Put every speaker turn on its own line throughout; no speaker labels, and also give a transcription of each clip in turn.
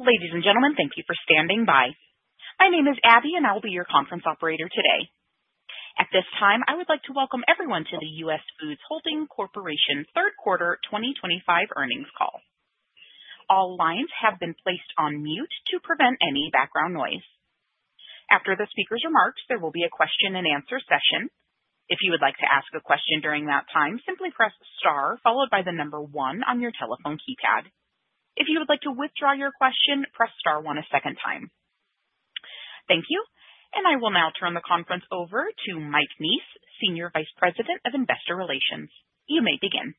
Ladies and gentlemen, thank you for standing by. My name is Abby, I will be your conference operator today. At this time, I would like to welcome everyone to the US Foods Holding Corp. third quarter 2025 earnings call. All lines have been placed on mute to prevent any background noise. After the speaker's remarks, there will be a question and answer session. If you would like to ask a question during that time, simply press star followed by the number one on your telephone keypad. If you would like to withdraw your question, press star one a second time. Thank you. I will now turn the conference over to Mike Neese, Senior Vice President of Investor Relations. You may begin.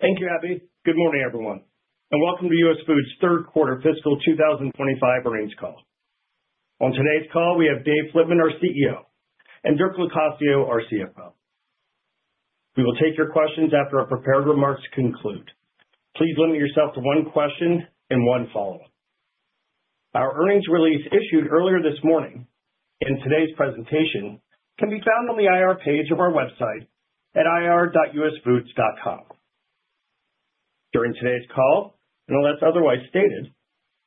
Thank you, Abby. Good morning, everyone, welcome to US Foods' third quarter fiscal 2025 earnings call. On today's call, we have Dave Flitman, our CEO, and Dirk Locascio, our CFO. We will take your questions after our prepared remarks conclude. Please limit yourself to one question and one follow-up. Our earnings release issued earlier this morning and today's presentation can be found on the IR page of our website at ir.usfoods.com. During today's call, unless otherwise stated,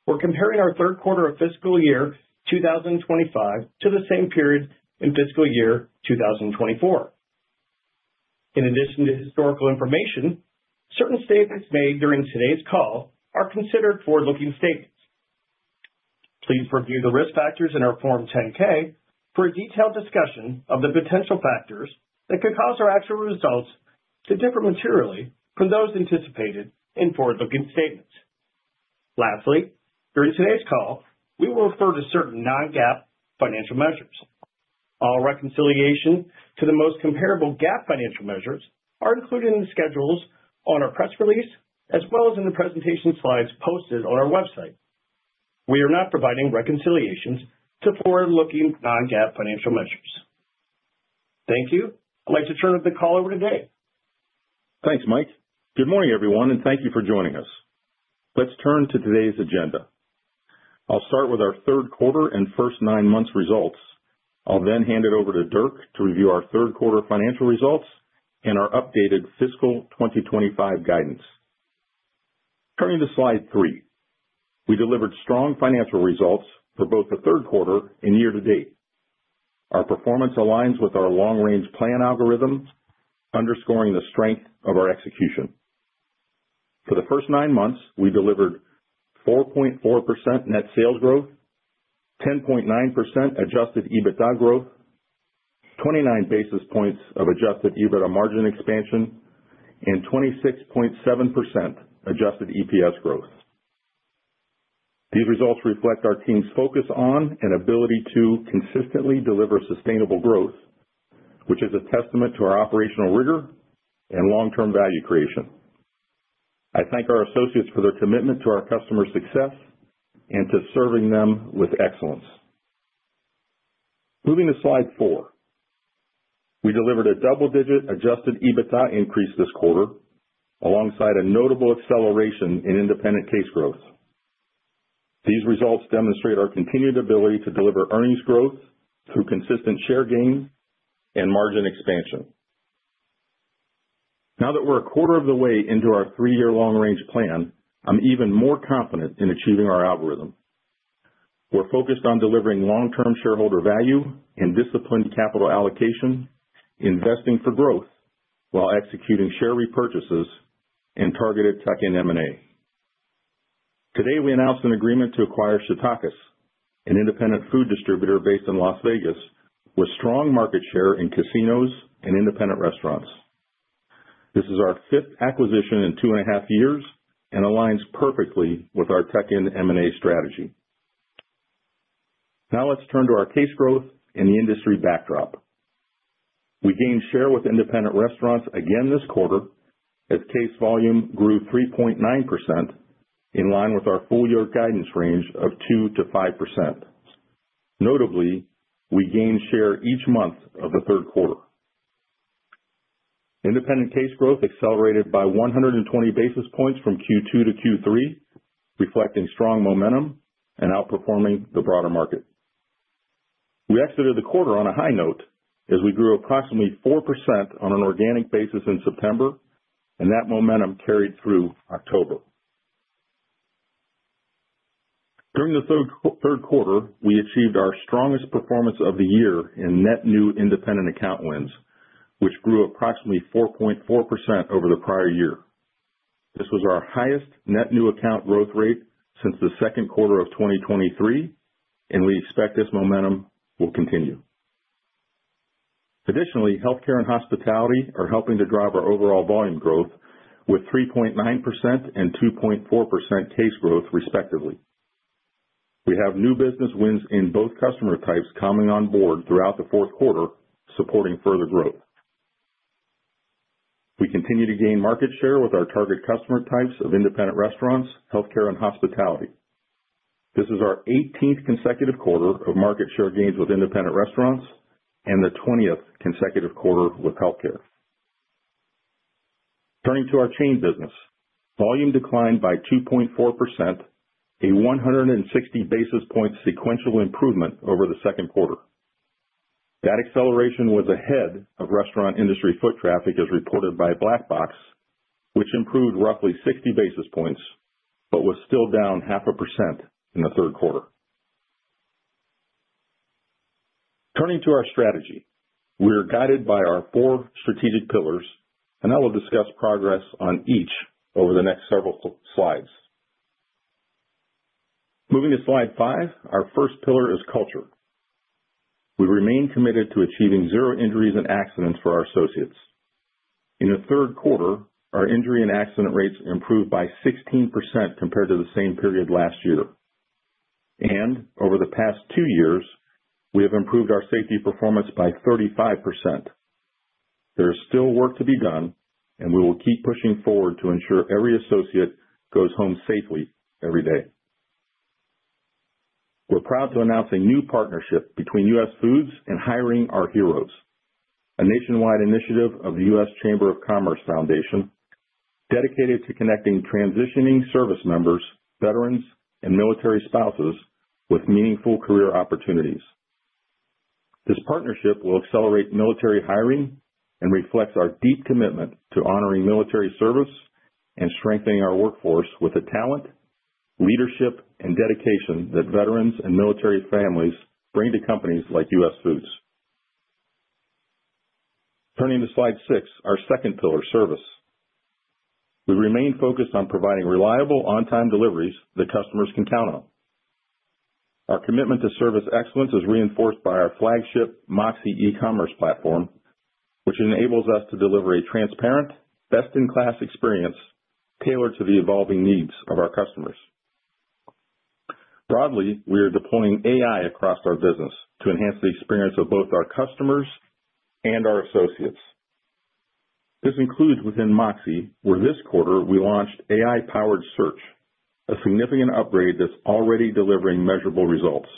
we're comparing our third quarter of fiscal year 2025 to the same period in fiscal year 2024. In addition to historical information, certain statements made during today's call are considered forward-looking statements. Please review the risk factors in our Form 10-K for a detailed discussion of the potential factors that could cause our actual results to differ materially from those anticipated in forward-looking statements. Lastly, during today's call, we will refer to certain non-GAAP financial measures. All reconciliation to the most comparable GAAP financial measures are included in the schedules on our press release, as well as in the presentation slides posted on our website. We are not providing reconciliations to forward-looking non-GAAP financial measures. Thank you. I'd like to turn the call over to Dave.
Thanks, Mike. Good morning, everyone, thank you for joining us. Let's turn to today's agenda. I'll start with our third quarter and first nine months results. I'll hand it over to Dirk to review our third quarter financial results and our updated fiscal 2025 guidance. Turning to slide three. We delivered strong financial results for both the third quarter and year to date. Our performance aligns with our long-range plan algorithms, underscoring the strength of our execution. For the first nine months, we delivered 4.4% net sales growth, 10.9% adjusted EBITDA growth, 29 basis points of adjusted EBITDA margin expansion, and 26.7% adjusted EPS growth. These results reflect our team's focus on and ability to consistently deliver sustainable growth, which is a testament to our operational rigor and long-term value creation. I thank our associates for their commitment to our customers' success and to serving them with excellence. Moving to slide four. We delivered a double-digit adjusted EBITDA increase this quarter alongside a notable acceleration in independent case growth. These results demonstrate our continued ability to deliver earnings growth through consistent share gains and margin expansion. Now that we're a quarter of the way into our three-year long-range plan, I'm even more confident in achieving our algorithm. We're focused on delivering long-term shareholder value and disciplined capital allocation, investing for growth while executing share repurchases and targeted tech and M&A. Today, we announced an agreement to acquire Shetakis, an independent food distributor based in Las Vegas with strong market share in casinos and independent restaurants. This is our fifth acquisition in two and a half years and aligns perfectly with our tech and M&A strategy. Let's turn to our case growth and the industry backdrop. We gained share with independent restaurants again this quarter as case volume grew 3.9% in line with our full year guidance range of 2%-5%. Notably, we gained share each month of the third quarter. Independent case growth accelerated by 120 basis points from Q2 to Q3, reflecting strong momentum and outperforming the broader market. We exited the quarter on a high note as we grew approximately 4% on an organic basis in September, and that momentum carried through October. During the third quarter, we achieved our strongest performance of the year in net new independent account wins, which grew approximately 4.4% over the prior year. This was our highest net new account growth rate since the second quarter of 2023. Additionally, healthcare and hospitality are helping to drive our overall volume growth with 3.9% and 2.4% case growth, respectively. We have new business wins in both customer types coming on board throughout the fourth quarter, supporting further growth. We continue to gain market share with our target customer types of independent restaurants, healthcare, and hospitality. This is our 18th consecutive quarter of market share gains with independent restaurants and the 20th consecutive quarter with healthcare. Turning to our chain business. Volume declined by 2.4%, a 160 basis point sequential improvement over the second quarter. That acceleration was ahead of restaurant industry foot traffic as reported by Black Box, which improved roughly 60 basis points but was still down half a percent in the third quarter. Turning to our strategy, we are guided by our four strategic pillars. I will discuss progress on each over the next several slides. Moving to slide five. Our first pillar is culture. We remain committed to achieving zero injuries and accidents for our associates. In the third quarter, our injury and accident rates improved by 16% compared to the same period last year. Over the past two years, we have improved our safety performance by 35%. There is still work to be done. We will keep pushing forward to ensure every associate goes home safely every day. We're proud to announce a new partnership between US Foods and Hiring Our Heroes, a nationwide initiative of the U.S. Chamber of Commerce Foundation dedicated to connecting transitioning service members, veterans, and military spouses with meaningful career opportunities. This partnership will accelerate military hiring and reflects our deep commitment to honoring military service and strengthening our workforce with the talent, leadership, and dedication that veterans and military families bring to companies like US Foods. Turning to slide six, our second pillar, service. We remain focused on providing reliable on-time deliveries that customers can count on. Our commitment to service excellence is reinforced by our flagship MOXē e-commerce platform, which enables us to deliver a transparent, best-in-class experience tailored to the evolving needs of our customers. Broadly, we are deploying AI across our business to enhance the experience of both our customers and our associates. This includes within MOXē, where this quarter we launched AI-powered search, a significant upgrade that's already delivering measurable results.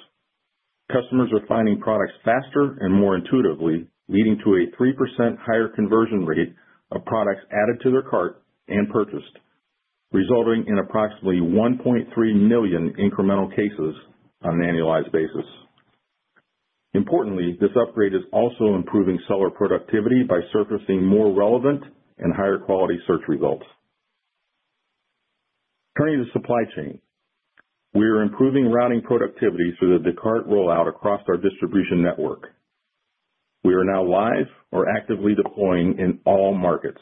Customers are finding products faster and more intuitively, leading to a 3% higher conversion rate of products added to their cart and purchased, resulting in approximately $1.3 million incremental cases on an annualized basis. This upgrade is also improving seller productivity by surfacing more relevant and higher quality search results. Turning to supply chain. We are improving routing productivity through the Descartes rollout across our distribution network. We are now live or actively deploying in all markets.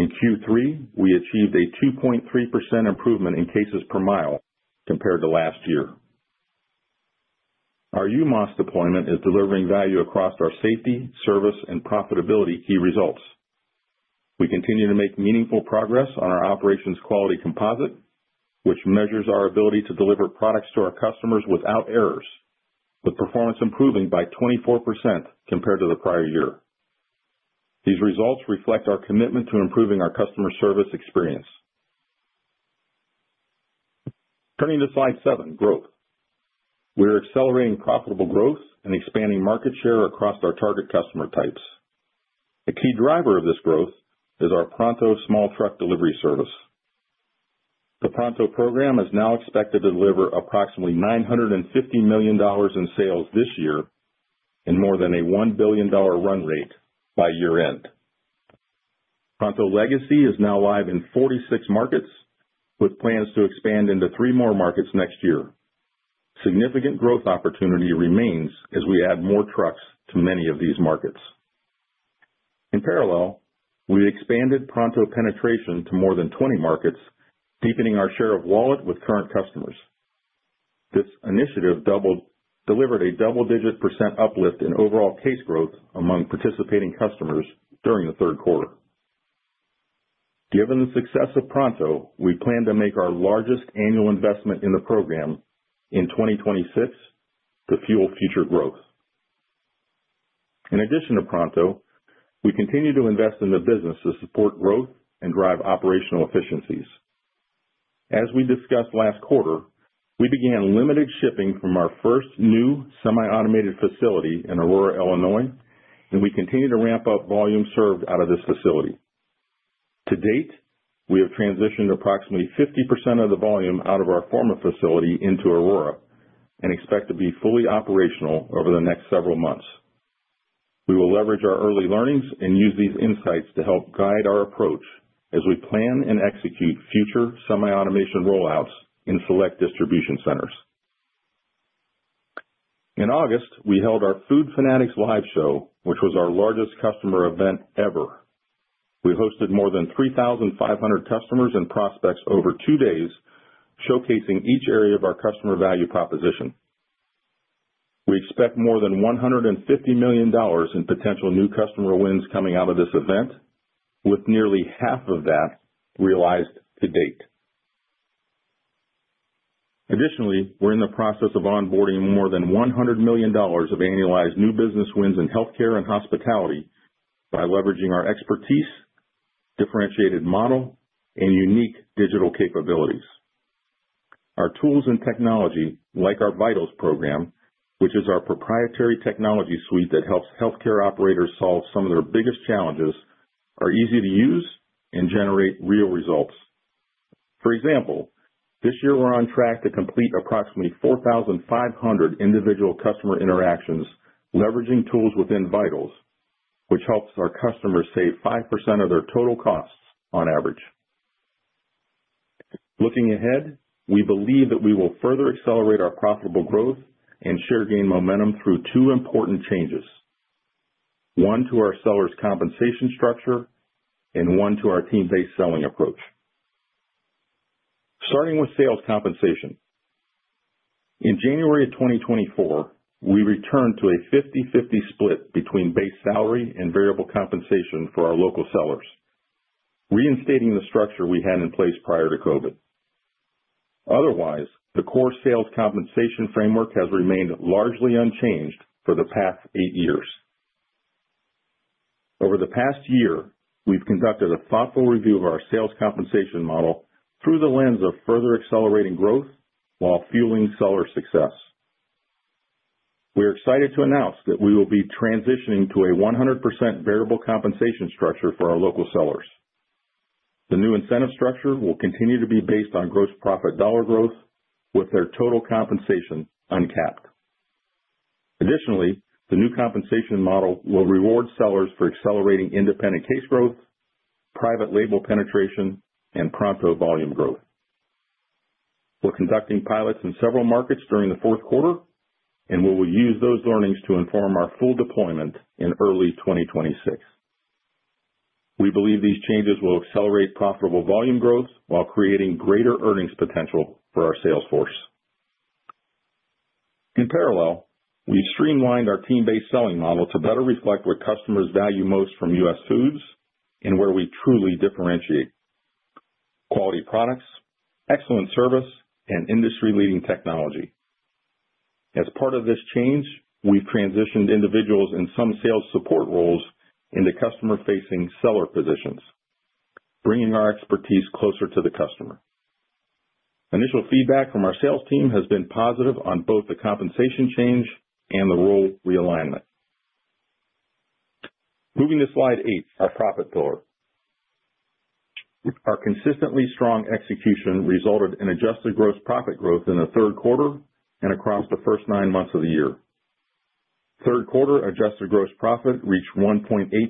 In Q3, we achieved a 2.3% improvement in cases per mile compared to last year. Our UMOS deployment is delivering value across our safety, service, and profitability key results. We continue to make meaningful progress on our Operations Quality Composite, which measures our ability to deliver products to our customers without errors, with performance improving by 24% compared to the prior year. These results reflect our commitment to improving our customer service experience. Turning to slide seven, growth. We are accelerating profitable growth and expanding market share across our target customer types. A key driver of this growth is our Pronto small truck delivery service. The Pronto program is now expected to deliver approximately $950 million in sales this year and more than a $1 billion run rate by year end. Pronto Legacy is now live in 46 markets, with plans to expand into three more markets next year. Significant growth opportunity remains as we add more trucks to many of these markets. In parallel, we expanded Pronto penetration to more than 20 markets, deepening our share of wallet with current customers. This initiative delivered a double-digit % uplift in overall case growth among participating customers during the third quarter. Given the success of Pronto, we plan to make our largest annual investment in the program in 2026 to fuel future growth. In addition to Pronto, we continue to invest in the business to support growth and drive operational efficiencies. As we discussed last quarter, we began limited shipping from our first new semi-automated facility in Aurora, Illinois, and we continue to ramp up volume served out of this facility. To date, we have transitioned approximately 50% of the volume out of our former facility into Aurora and expect to be fully operational over the next several months. We will leverage our early learnings and use these insights to help guide our approach as we plan and execute future semi-automation rollouts in select distribution centers. In August, we held our Food Fanatics live show, which was our largest customer event ever. We hosted more than 3,500 customers and prospects over two days, showcasing each area of our customer value proposition. We expect more than $150 million in potential new customer wins coming out of this event, with nearly half of that realized to date. Additionally, we're in the process of onboarding more than $100 million of annualized new business wins in healthcare and hospitality by leveraging our expertise, differentiated model, and unique digital capabilities. Our tools and technology, like our VITALS program, which is our proprietary technology suite that helps healthcare operators solve some of their biggest challenges, are easy to use and generate real results. For example, this year we're on track to complete approximately 4,500 individual customer interactions leveraging tools within VITALS, which helps our customers save 5% of their total costs on average. Looking ahead, we believe that we will further accelerate our profitable growth and share gain momentum through two important changes, one to our sellers compensation structure and one to our team-based selling approach. Starting with sales compensation. In January of 2024, we returned to a 50/50 split between base salary and variable compensation for our local sellers, reinstating the structure we had in place prior to COVID. Otherwise, the core sales compensation framework has remained largely unchanged for the past eight years. Over the past year, we've conducted a thoughtful review of our sales compensation model through the lens of further accelerating growth while fueling seller success. We are excited to announce that we will be transitioning to a 100% variable compensation structure for our local sellers. The new incentive structure will continue to be based on gross profit dollar growth with their total compensation uncapped. Additionally, the new compensation model will reward sellers for accelerating independent case growth, private label penetration, and Pronto volume growth. We're conducting pilots in several markets during the fourth quarter, and we will use those learnings to inform our full deployment in early 2026. We believe these changes will accelerate profitable volume growth while creating greater earnings potential for our sales force. In parallel, we've streamlined our team-based selling model to better reflect what customers value most from US Foods and where we truly differentiate quality products, excellent service, and industry-leading technology. As part of this change, we've transitioned individuals in some sales support roles into customer-facing seller positions, bringing our expertise closer to the customer. Initial feedback from our sales team has been positive on both the compensation change and the role realignment. Moving to slide eight, our profit growth. Our consistently strong execution resulted in adjusted gross profit growth in the third quarter and across the first nine months of the year. Third quarter adjusted gross profit reached $1.8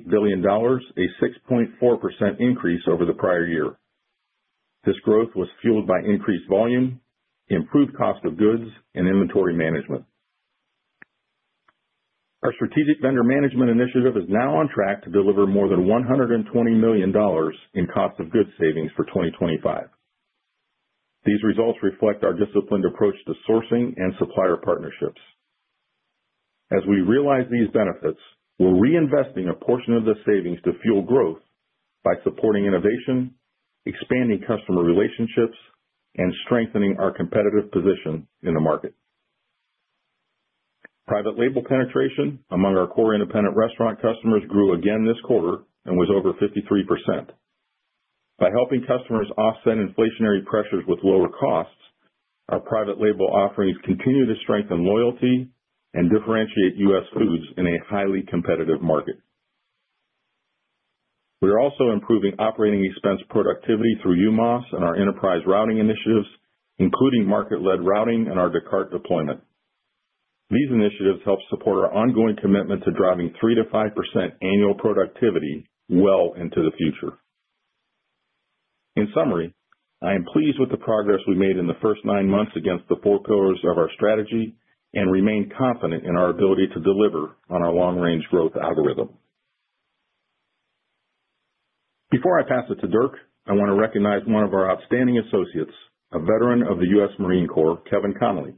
billion, a 6.4% increase over the prior year. This growth was fueled by increased volume, improved cost of goods, and inventory management. Our strategic vendor management initiative is now on track to deliver more than $120 million in cost of goods savings for 2025. These results reflect our disciplined approach to sourcing and supplier partnerships. As we realize these benefits, we're reinvesting a portion of the savings to fuel growth by supporting innovation, expanding customer relationships, and strengthening our competitive position in the market. Private label penetration among our core independent restaurant customers grew again this quarter and was over 53%. By helping customers offset inflationary pressures with lower costs, our private label offerings continue to strengthen loyalty and differentiate US Foods in a highly competitive market. We are also improving operating expense productivity through UMOS and our enterprise routing initiatives, including market-led routing and our Descartes deployment. These initiatives help support our ongoing commitment to driving 3% to 5% annual productivity well into the future. In summary, I am pleased with the progress we made in the first nine months against the four pillars of our strategy and remain confident in our ability to deliver on our long-range growth algorithm. Before I pass it to Dirk, I want to recognize one of our outstanding associates, a veteran of the US Marine Corps, Kevin Connolly.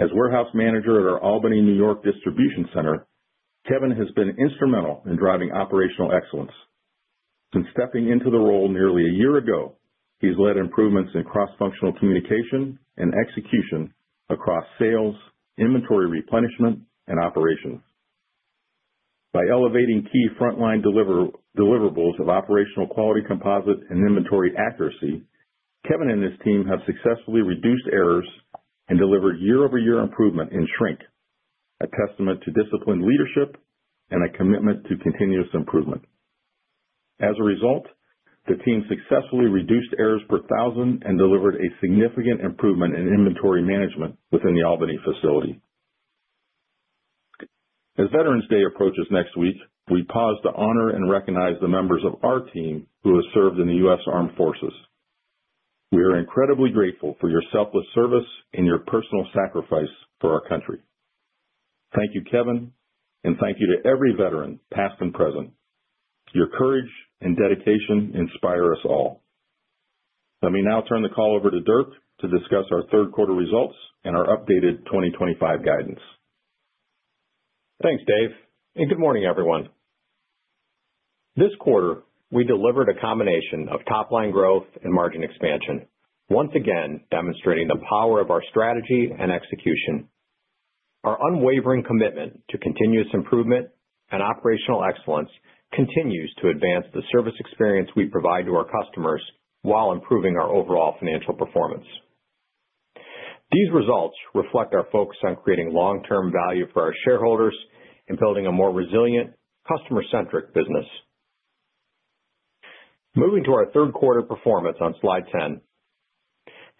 As warehouse manager at our Albany, N.Y., distribution center, Kevin has been instrumental in driving operational excellence. Since stepping into the role nearly a year ago, he's led improvements in cross-functional communication and execution across sales, inventory replenishment, and operations. By elevating key frontline deliverables of Operations Quality Composite and inventory accuracy, Kevin and his team have successfully reduced errors and delivered year-over-year improvement in shrink, a testament to disciplined leadership and a commitment to continuous improvement. As a result, the team successfully reduced errors per thousand and delivered a significant improvement in inventory management within the Albany facility. As Veterans Day approaches next week, we pause to honor and recognize the members of our team who have served in the US Armed Forces. We are incredibly grateful for your selfless service and your personal sacrifice for our country. Thank you, Kevin, and thank you to every veteran, past and present. Your courage and dedication inspire us all. Let me now turn the call over to Dirk to discuss our third quarter results and our updated 2025 guidance.
Thanks, Dave, and good morning, everyone. This quarter, we delivered a combination of top-line growth and margin expansion, once again demonstrating the power of our strategy and execution. Our unwavering commitment to continuous improvement and operational excellence continues to advance the service experience we provide to our customers while improving our overall financial performance. These results reflect our focus on creating long-term value for our shareholders and building a more resilient customer-centric business. Moving to our third quarter performance on slide 10.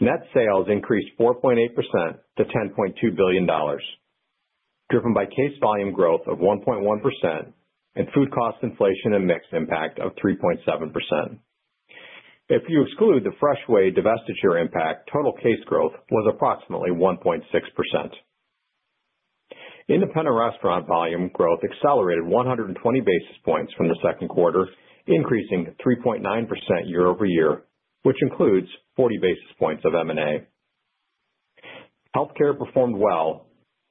Net sales increased 4.8% to $10.2 billion, driven by case volume growth of 1.1% and food cost inflation and mix impact of 3.7%. If you exclude the Freshway divestiture impact, total case growth was approximately 1.6%. Independent restaurant volume growth accelerated 120 basis points from the second quarter, increasing 3.9% year-over-year, which includes 40 basis points of M&A. Healthcare performed well,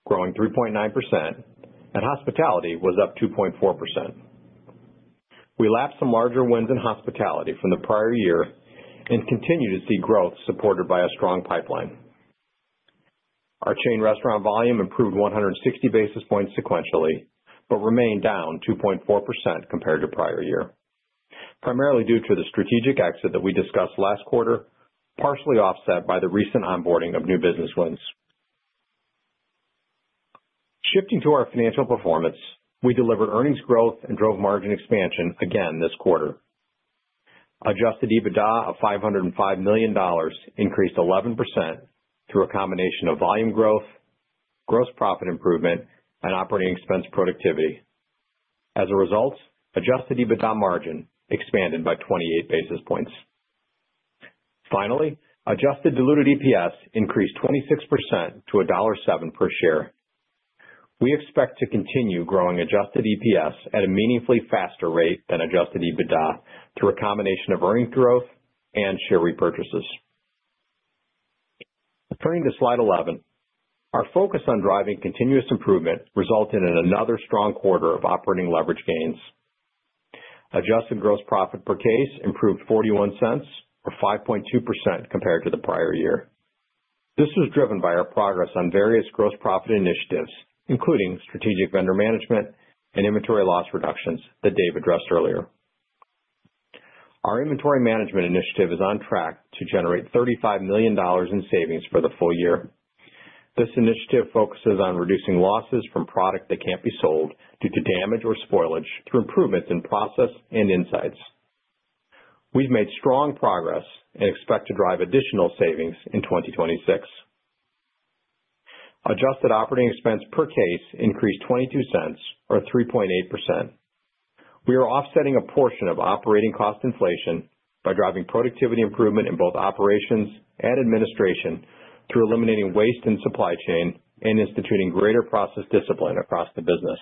growing 3.9%, and hospitality was up 2.4%. We lapped some larger wins in hospitality from the prior year and continue to see growth supported by a strong pipeline. Our chain restaurant volume improved 160 basis points sequentially, but remained down 2.4% compared to prior year, primarily due to the strategic exit that we discussed last quarter, partially offset by the recent onboarding of new business wins. Shifting to our financial performance, we delivered earnings growth and drove margin expansion again this quarter. adjusted EBITDA of $505 million increased 11% through a combination of volume growth, gross profit improvement, and operating expense productivity. As a result, adjusted EBITDA margin expanded by 28 basis points. Finally, adjusted diluted EPS increased 26% to $1.07 per share. We expect to continue growing adjusted EPS at a meaningfully faster rate than adjusted EBITDA through a combination of earning growth and share repurchases. Turning to slide 11. Our focus on driving continuous improvement resulted in another strong quarter of operating leverage gains. Adjusted gross profit per case improved $0.41 or 5.2% compared to the prior year. This was driven by our progress on various gross profit initiatives, including strategic vendor management and inventory loss reductions that Dave addressed earlier. Our inventory management initiative is on track to generate $35 million in savings for the full year. This initiative focuses on reducing losses from product that can't be sold due to damage or spoilage through improvements in process and insights. We've made strong progress and expect to drive additional savings in 2026. Adjusted operating expense per case increased $0.22 or 3.8%. We are offsetting a portion of operating cost inflation by driving productivity improvement in both operations and administration through eliminating waste in supply chain and instituting greater process discipline across the business.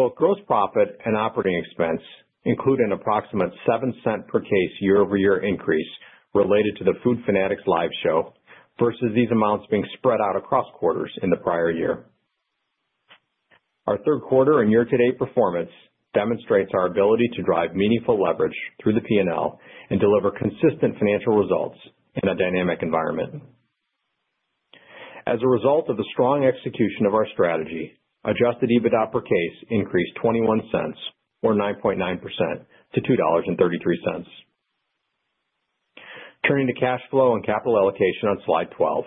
Both gross profit and operating expense include an approximate $0.07 per case year-over-year increase related to the Food Fanatics live show, versus these amounts being spread out across quarters in the prior year. Our third quarter and year-to-date performance demonstrates our ability to drive meaningful leverage through the P&L and deliver consistent financial results in a dynamic environment. As a result of the strong execution of our strategy, adjusted EBITDA per case increased $0.21 or 9.9% to $2.33. Turning to cash flow and capital allocation on slide 12.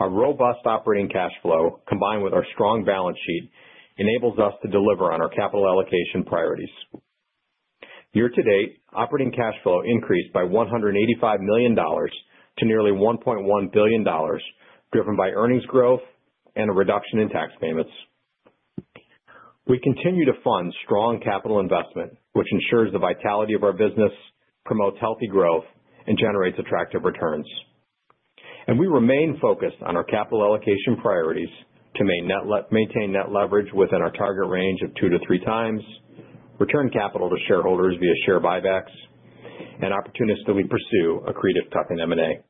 Our robust operating cash flow, combined with our strong balance sheet, enables us to deliver on our capital allocation priorities. Year-to-date, operating cash flow increased by $185 million to nearly $1.1 billion, driven by earnings growth and a reduction in tax payments. We continue to fund strong capital investment, which ensures the vitality of our business, promotes healthy growth, and generates attractive returns. We remain focused on our capital allocation priorities to maintain net leverage within our target range of 2-3 times, return capital to shareholders via share buybacks, and opportunities that we pursue accretive tuck-in M&A.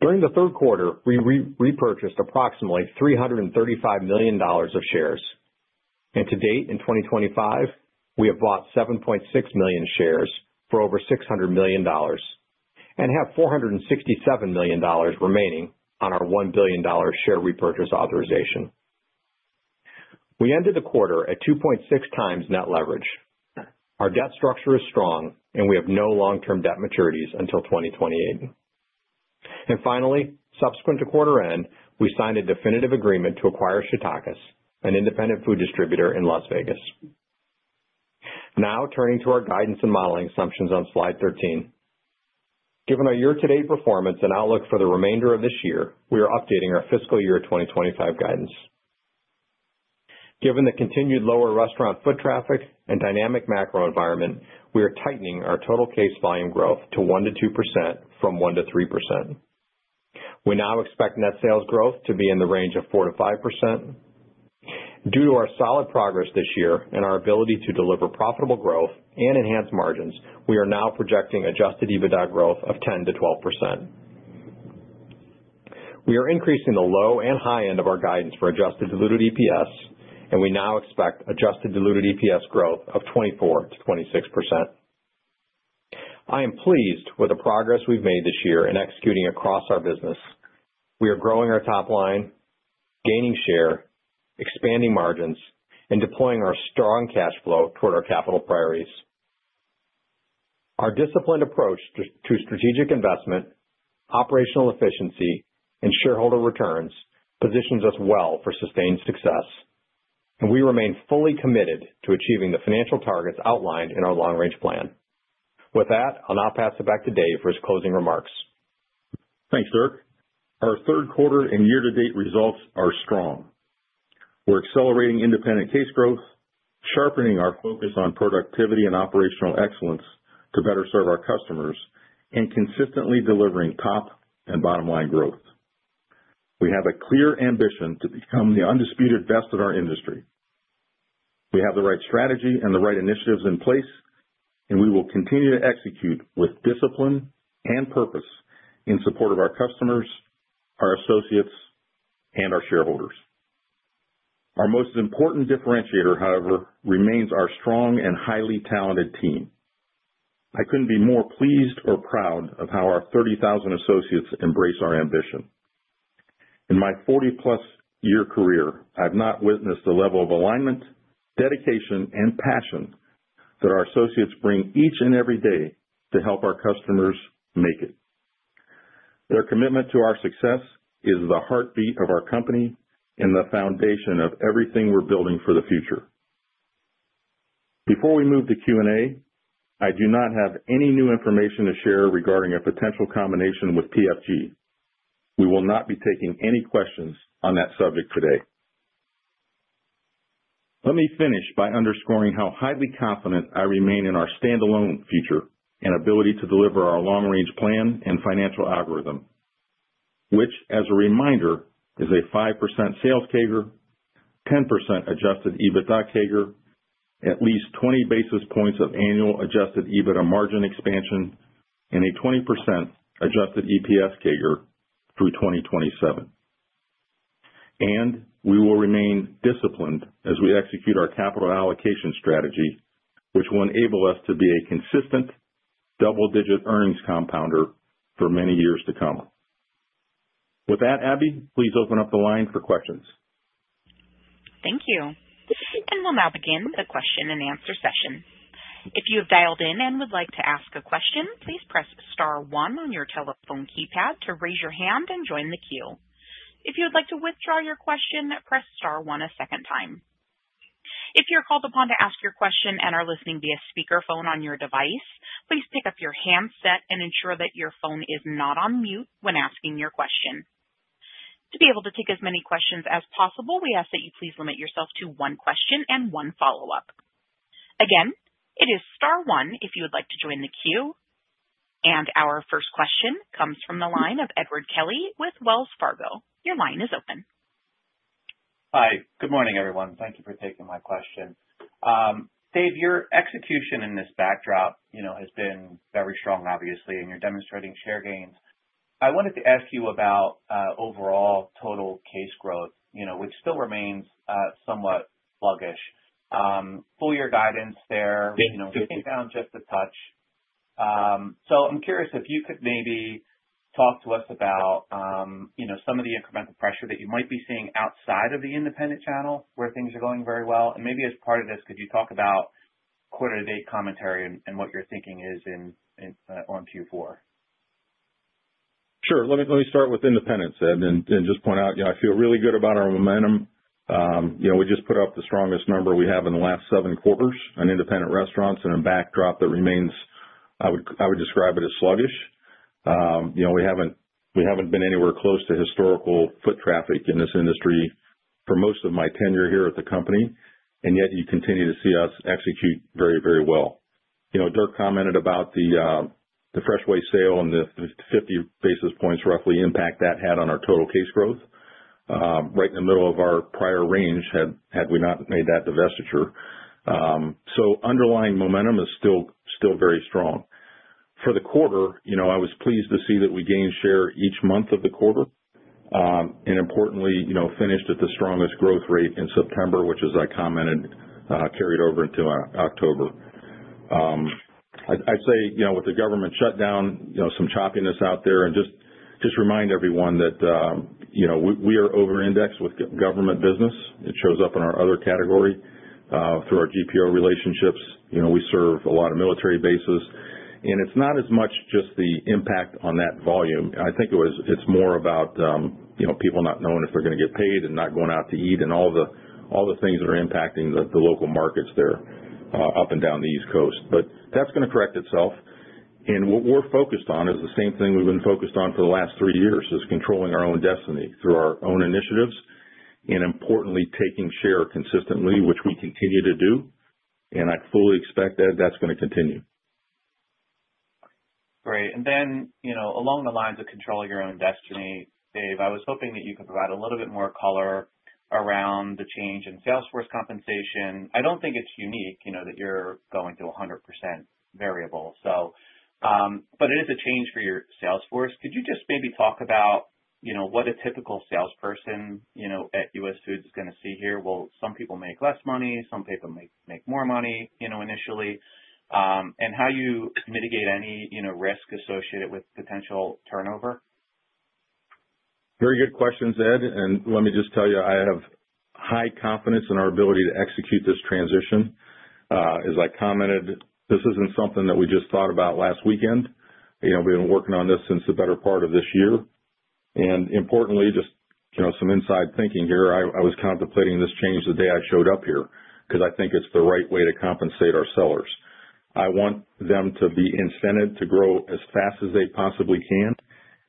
During the third quarter, we repurchased approximately $335 million of shares. Year-to-date in 2025, we have bought 7.6 million shares for over $600 million and have $467 million remaining on our $1 billion share repurchase authorization. We ended the quarter at 2.6 times net leverage. Our debt structure is strong, and we have no long-term debt maturities until 2028. Finally, subsequent to quarter end, we signed a definitive agreement to acquire Shetakis, an independent food distributor in Las Vegas. Turning to our guidance and modeling assumptions on slide 13. Given our year-to-date performance and outlook for the remainder of this year, we are updating our fiscal year 2025 guidance. Given the continued lower restaurant foot traffic and dynamic macro environment, we are tightening our total case volume growth to 1%-2% from 1%-3%. We now expect net sales growth to be in the range of 4%-5%. Due to our solid progress this year and our ability to deliver profitable growth and enhance margins, we are now projecting adjusted EBITDA growth of 10%-12%. We are increasing the low and high end of our guidance for adjusted diluted EPS, we now expect adjusted diluted EPS growth of 24%-26%. I am pleased with the progress we've made this year in executing across our business. We are growing our top line, gaining share, expanding margins, and deploying our strong cash flow toward our capital priorities. Our disciplined approach to strategic investment, operational efficiency, and shareholder returns positions us well for sustained success, we remain fully committed to achieving the financial targets outlined in our long-range plan. With that, I'll now pass it back to Dave for his closing remarks.
Thanks, Dirk. Our third quarter and year-to-date results are strong. We're accelerating independent case growth, sharpening our focus on productivity and operational excellence to better serve our customers, consistently delivering top and bottom-line growth. We have a clear ambition to become the undisputed best in our industry. We have the right strategy and the right initiatives in place, we will continue to execute with discipline and purpose in support of our customers, our associates, and our shareholders. Our most important differentiator, however, remains our strong and highly talented team. I couldn't be more pleased or proud of how our 30,000 associates embrace our ambition. In my 40-plus-year career, I've not witnessed the level of alignment, dedication, and passion that our associates bring each and every day to help our customers make it. Their commitment to our success is the heartbeat of our company and the foundation of everything we're building for the future. Before we move to Q&A, I do not have any new information to share regarding a potential combination with PFG. We will not be taking any questions on that subject today. Let me finish by underscoring how highly confident I remain in our standalone future and ability to deliver our long-range plan and financial algorithm. Which, as a reminder, is a 5% sales CAGR, 10% adjusted EBITDA CAGR, at least 20 basis points of annual adjusted EBITDA margin expansion, 20% adjusted EPS CAGR through 2027. We will remain disciplined as we execute our capital allocation strategy, which will enable us to be a consistent double-digit earnings compounder for many years to come. With that, Abby, please open up the line for questions.
Thank you. This is Susan. We'll now begin the question and answer session. If you have dialed in and would like to ask a question, please press star one on your telephone keypad to raise your hand and join the queue. If you would like to withdraw your question, press star one a second time. If you're called upon to ask your question and are listening via speakerphone on your device, please pick up your handset and ensure that your phone is not on mute when asking your question. To be able to take as many questions as possible, we ask that you please limit yourself to one question and one follow-up. Again, it is star one if you would like to join the queue. Our first question comes from the line of Edward Kelly with Wells Fargo. Your line is open.
Hi. Good morning, everyone. Thank you for taking my question. Dave, your execution in this backdrop has been very strong, obviously, and you're demonstrating share gains. I wanted to ask you about overall total case growth, which still remains somewhat sluggish. Full year guidance there.
Thank you.
We came down just a touch. I'm curious if you could maybe talk to us about some of the incremental pressure that you might be seeing outside of the independent channel where things are going very well. Maybe as part of this, could you talk about quarter-to-date commentary and what your thinking is on Q4?
Sure. Let me start with independents, Ed, and just point out, I feel really good about our momentum. We just put up the strongest number we have in the last seven quarters on independent restaurants in a backdrop that remains, I would describe it as sluggish. We haven't been anywhere close to historical foot traffic in this industry for most of my tenure here at the company, yet you continue to see us execute very well. Dirk commented about the Freshway sale and the 50 basis points roughly impact that had on our total case growth. Right in the middle of our prior range had we not made that divestiture. Underlying momentum is still very strong. For the quarter, I was pleased to see that we gained share each month of the quarter. Importantly, finished at the strongest growth rate in September, which as I commented, carried over into October. I'd say, with the government shutdown, some choppiness out there and just remind everyone that we are over-indexed with government business. It shows up in our other category through our GPO relationships. We serve a lot of military bases, it's not as much just the impact on that volume. I think it's more about people not knowing if they're going to get paid and not going out to eat and all the things that are impacting the local markets there up and down the East Coast. That's going to correct itself, and what we're focused on is the same thing we've been focused on for the last three years, is controlling our own destiny through our own initiatives, importantly, taking share consistently, which we continue to do. I fully expect that that's going to continue.
Great. Then, along the lines of controlling your own destiny, Dave, I was hoping that you could provide a little bit more color around the change in salesforce compensation. I don't think it's unique that you're going to 100% variable. It is a change for your salesforce. Could you just maybe talk about what a typical salesperson at US Foods is going to see here? Will some people make less money, some people make more money initially? How you mitigate any risk associated with potential turnover?
Very good questions, Ed. Let me just tell you, I have high confidence in our ability to execute this transition. As I commented, this isn't something that we just thought about last weekend. We've been working on this since the better part of this year. Importantly, just some inside thinking here, I was contemplating this change the day I showed up here because I think it's the right way to compensate our sellers. I want them to be incented to grow as fast as they possibly can,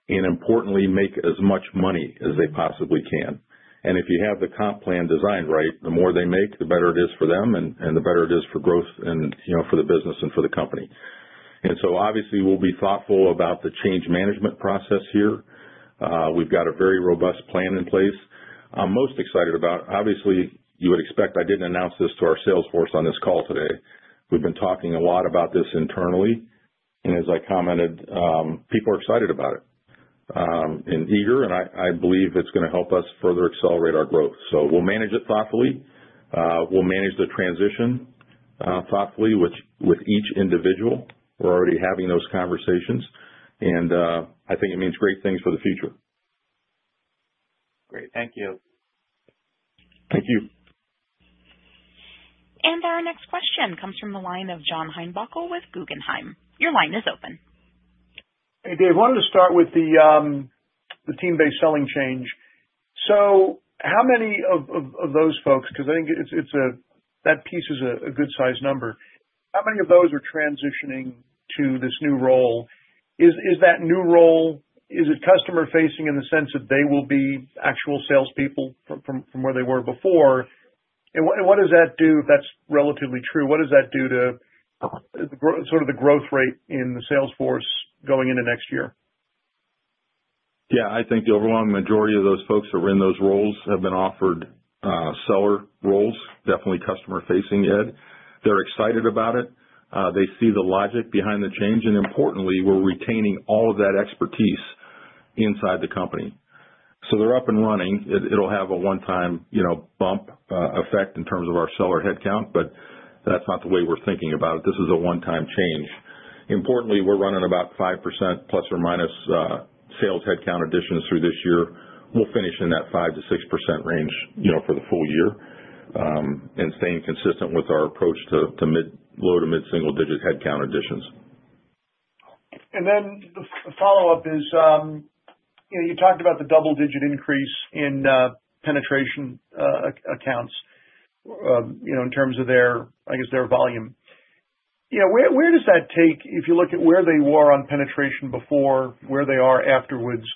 and importantly, make as much money as they possibly can. If you have the comp plan designed right, the more they make, the better it is for them, and the better it is for growth and for the business and for the company. Obviously, we'll be thoughtful about the change management process here. We've got a very robust plan in place. I'm most excited about. Obviously, you would expect I didn't announce this to our sales force on this call today. We've been talking a lot about this internally, as I commented, people are excited about it, and eager, and I believe it's going to help us further accelerate our growth. We'll manage it thoughtfully. We'll manage the transition thoughtfully with each individual. We're already having those conversations. I think it means great things for the future.
Great. Thank you.
Thank you.
Our next question comes from the line of John Heinbockel with Guggenheim. Your line is open.
Hey, Dave. Wanted to start with the team-based selling change. How many of those folks, because I think that piece is a good-size number, how many of those are transitioning to this new role? Is that new role, is it customer-facing in the sense that they will be actual salespeople from where they were before? What does that do, if that's relatively true, what does that do to sort of the growth rate in the sales force going into next year?
Yeah, I think the overwhelming majority of those folks who are in those roles have been offered seller roles, definitely customer-facing, Ed. They're excited about it. They see the logic behind the change, importantly, we're retaining all of that expertise inside the company. They're up and running. It'll have a one-time bump effect in terms of our seller headcount, that's not the way we're thinking about it. This is a one-time change. Importantly, we're running about 5% plus or minus sales headcount additions through this year. We'll finish in that 5%-6% range for the full year, staying consistent with our approach to low to mid-single-digit headcount additions.
The follow-up is, you talked about the double-digit increase in penetration accounts in terms of their volume. Where does that take, if you look at where they were on penetration before, where they are afterwards?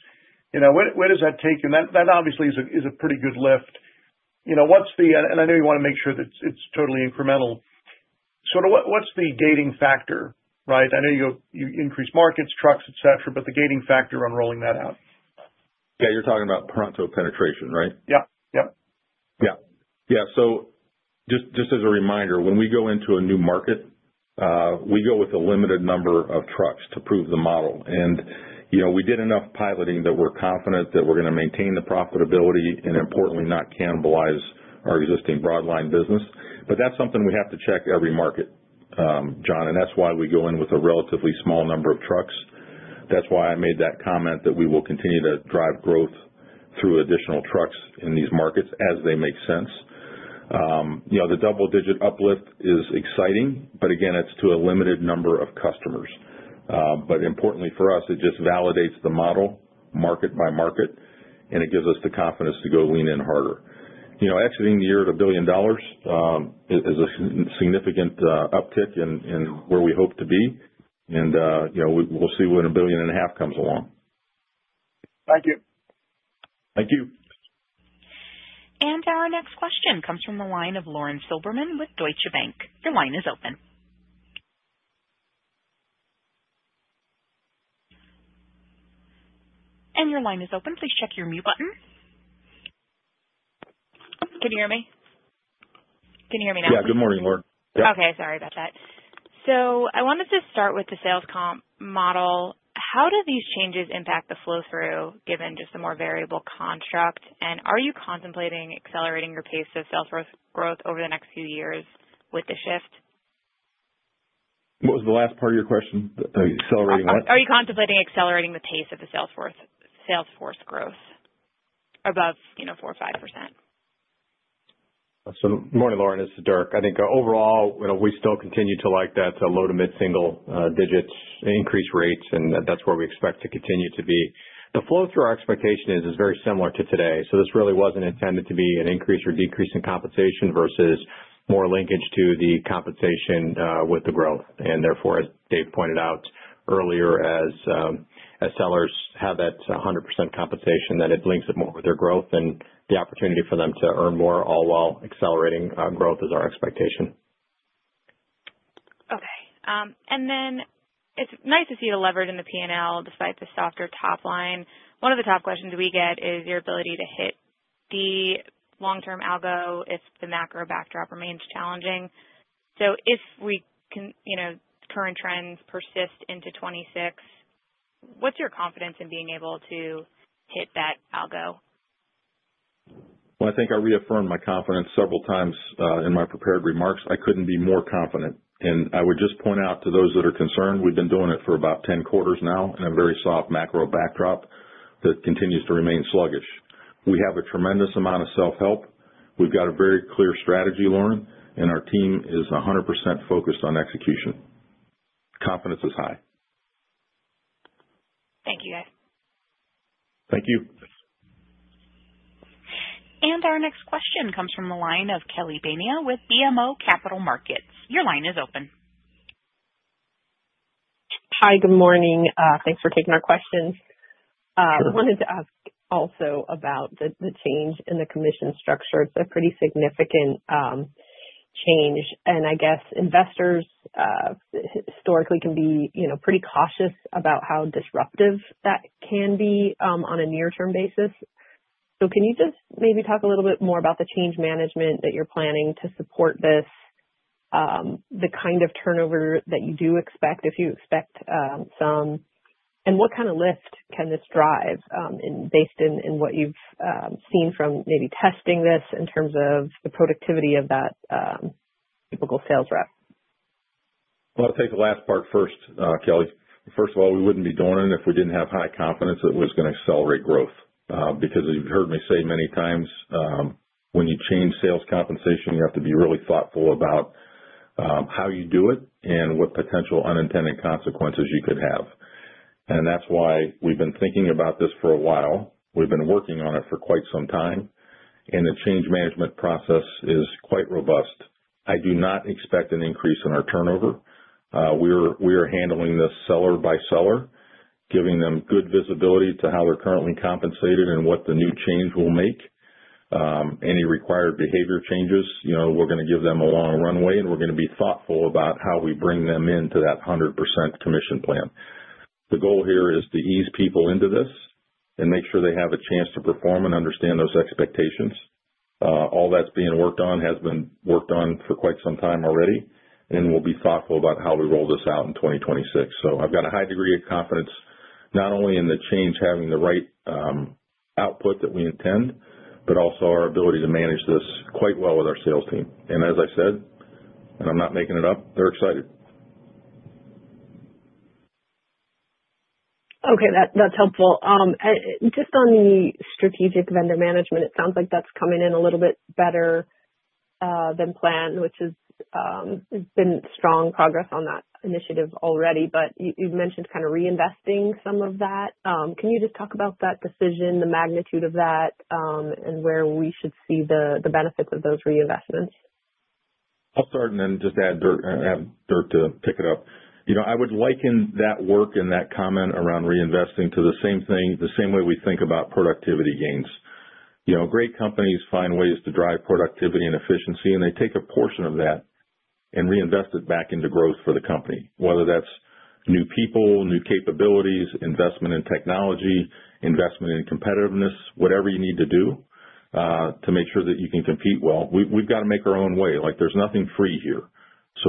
Where does that take you? That obviously is a pretty good lift. I know you want to make sure that it's totally incremental. What's the gating factor, right? I know you increase markets, trucks, et cetera, the gating factor on rolling that out.
You're talking about Pronto penetration, right?
Yeah.
Just as a reminder, when we go into a new market, we go with a limited number of trucks to prove the model. We did enough piloting that we're confident that we're going to maintain the profitability and importantly, not cannibalize our existing broadline business. That's something we have to check every market, John, and that's why we go in with a relatively small number of trucks. That's why I made that comment that we will continue to drive growth through additional trucks in these markets as they make sense. The double-digit uplift is exciting, but again, it's to a limited number of customers. Importantly for us, it just validates the model market by market, and it gives us the confidence to go lean in harder. Exiting the year at $1 billion is a significant uptick in where we hope to be. We'll see when a billion and a half dollars comes along.
Thank you.
Thank you.
Our next question comes from the line of Lauren Silberman with Deutsche Bank. Your line is open. Please check your mute button.
Can you hear me? Can you hear me now?
Yeah. Good morning, Lauren. Yeah.
Okay. Sorry about that. I wanted to start with the sales comp model. How do these changes impact the flow-through, given just the more variable construct? Are you contemplating accelerating your pace of sales growth over the next few years with the shift?
What was the last part of your question? Accelerating what?
Are you contemplating accelerating the pace of the sales force growth above 4% or 5%?
Morning, Lauren, this is Dirk. I think overall, we still continue to like that low to mid-single digits increase rates, that's where we expect to continue to be. The flow through our expectation is very similar to today. This really wasn't intended to be an increase or decrease in compensation versus more linkage to the compensation with the growth. Therefore, as Dave pointed out earlier, as sellers have that 100% compensation, that it links it more with their growth and the opportunity for them to earn more, all while accelerating growth is our expectation.
Okay. It's nice to see the leverage in the P&L despite the softer top line. One of the top questions we get is your ability to hit the long-term algo if the macro backdrop remains challenging. If current trends persist into 2026, what's your confidence in being able to hit that algo?
Well, I think I reaffirmed my confidence several times in my prepared remarks. I couldn't be more confident. I would just point out to those that are concerned, we've been doing it for about 10 quarters now in a very soft macro backdrop that continues to remain sluggish. We have a tremendous amount of self-help. We've got a very clear strategy, Lauren, our team is 100% focused on execution. Confidence is high.
Thank you, guys.
Thank you.
Our next question comes from the line of Kelly Bania with BMO Capital Markets. Your line is open.
Hi. Good morning. Thanks for taking our questions.
Sure.
I wanted to ask also about the change in the commission structure. It's a pretty significant change, and I guess investors historically can be pretty cautious about how disruptive that can be on a near-term basis. Can you just maybe talk a little bit more about the change management that you're planning to support this, the kind of turnover that you do expect, if you expect some, and what kind of lift can this drive based in what you've seen from maybe testing this in terms of the productivity of that typical sales rep?
Well, I'll take the last part first, Kelly. First of all, we wouldn't be doing it if we didn't have high confidence that it was going to accelerate growth. You've heard me say many times, when you change sales compensation, you have to be really thoughtful about how you do it and what potential unintended consequences you could have. That's why we've been thinking about this for a while. We've been working on it for quite some time, and the change management process is quite robust. I do not expect an increase in our turnover. We are handling this seller by seller, giving them good visibility to how they're currently compensated and what the new change will make. Any required behavior changes, we're going to give them a long runway, and we're going to be thoughtful about how we bring them into that 100% commission plan. The goal here is to ease people into this and make sure they have a chance to perform and understand those expectations. All that's being worked on has been worked on for quite some time already. We'll be thoughtful about how we roll this out in 2026. I've got a high degree of confidence, not only in the change having the right output that we intend, but also our ability to manage this quite well with our sales team. As I said, and I'm not making it up, they're excited.
Okay, that's helpful. Just on the strategic vendor management, it sounds like that's coming in a little bit better than planned, which has been strong progress on that initiative already. You've mentioned kind of reinvesting some of that. Can you just talk about that decision, the magnitude of that, and where we should see the benefits of those reinvestments?
I'll start and then just have Dirk to pick it up. I would liken that work and that comment around reinvesting to the same way we think about productivity gains. Great companies find ways to drive productivity and efficiency. They take a portion of that and reinvest it back into growth for the company, whether that's new people, new capabilities, investment in technology, investment in competitiveness, whatever you need to do to make sure that you can compete well. We've got to make our own way. There's nothing free here.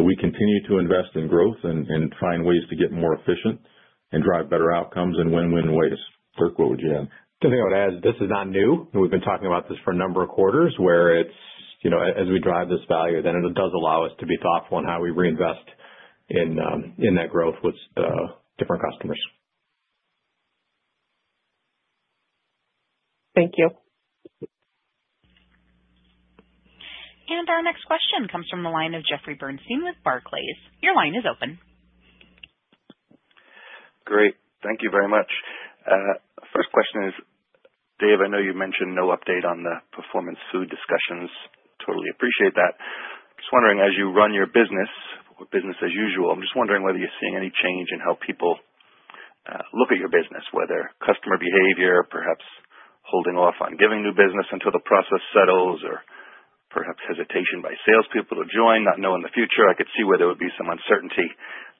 We continue to invest in growth and find ways to get more efficient and drive better outcomes in win-win ways. Dirk, what would you add?
The only thing I would add is this is not new. We've been talking about this for a number of quarters where it's as we drive this value, then it does allow us to be thoughtful in how we reinvest in that growth with different customers.
Thank you.
Our next question comes from the line of Jeffrey Bernstein with Barclays. Your line is open.
Great. Thank you very much. First question is, Dave, I know you mentioned no update on the Performance Food discussions. Totally appreciate that. Just wondering, as you run your business or business as usual, I'm just wondering whether you're seeing any change in how people look at your business, whether customer behavior, perhaps holding off on giving new business until the process settles, or perhaps hesitation by salespeople to join, not knowing the future. I could see where there would be some uncertainty.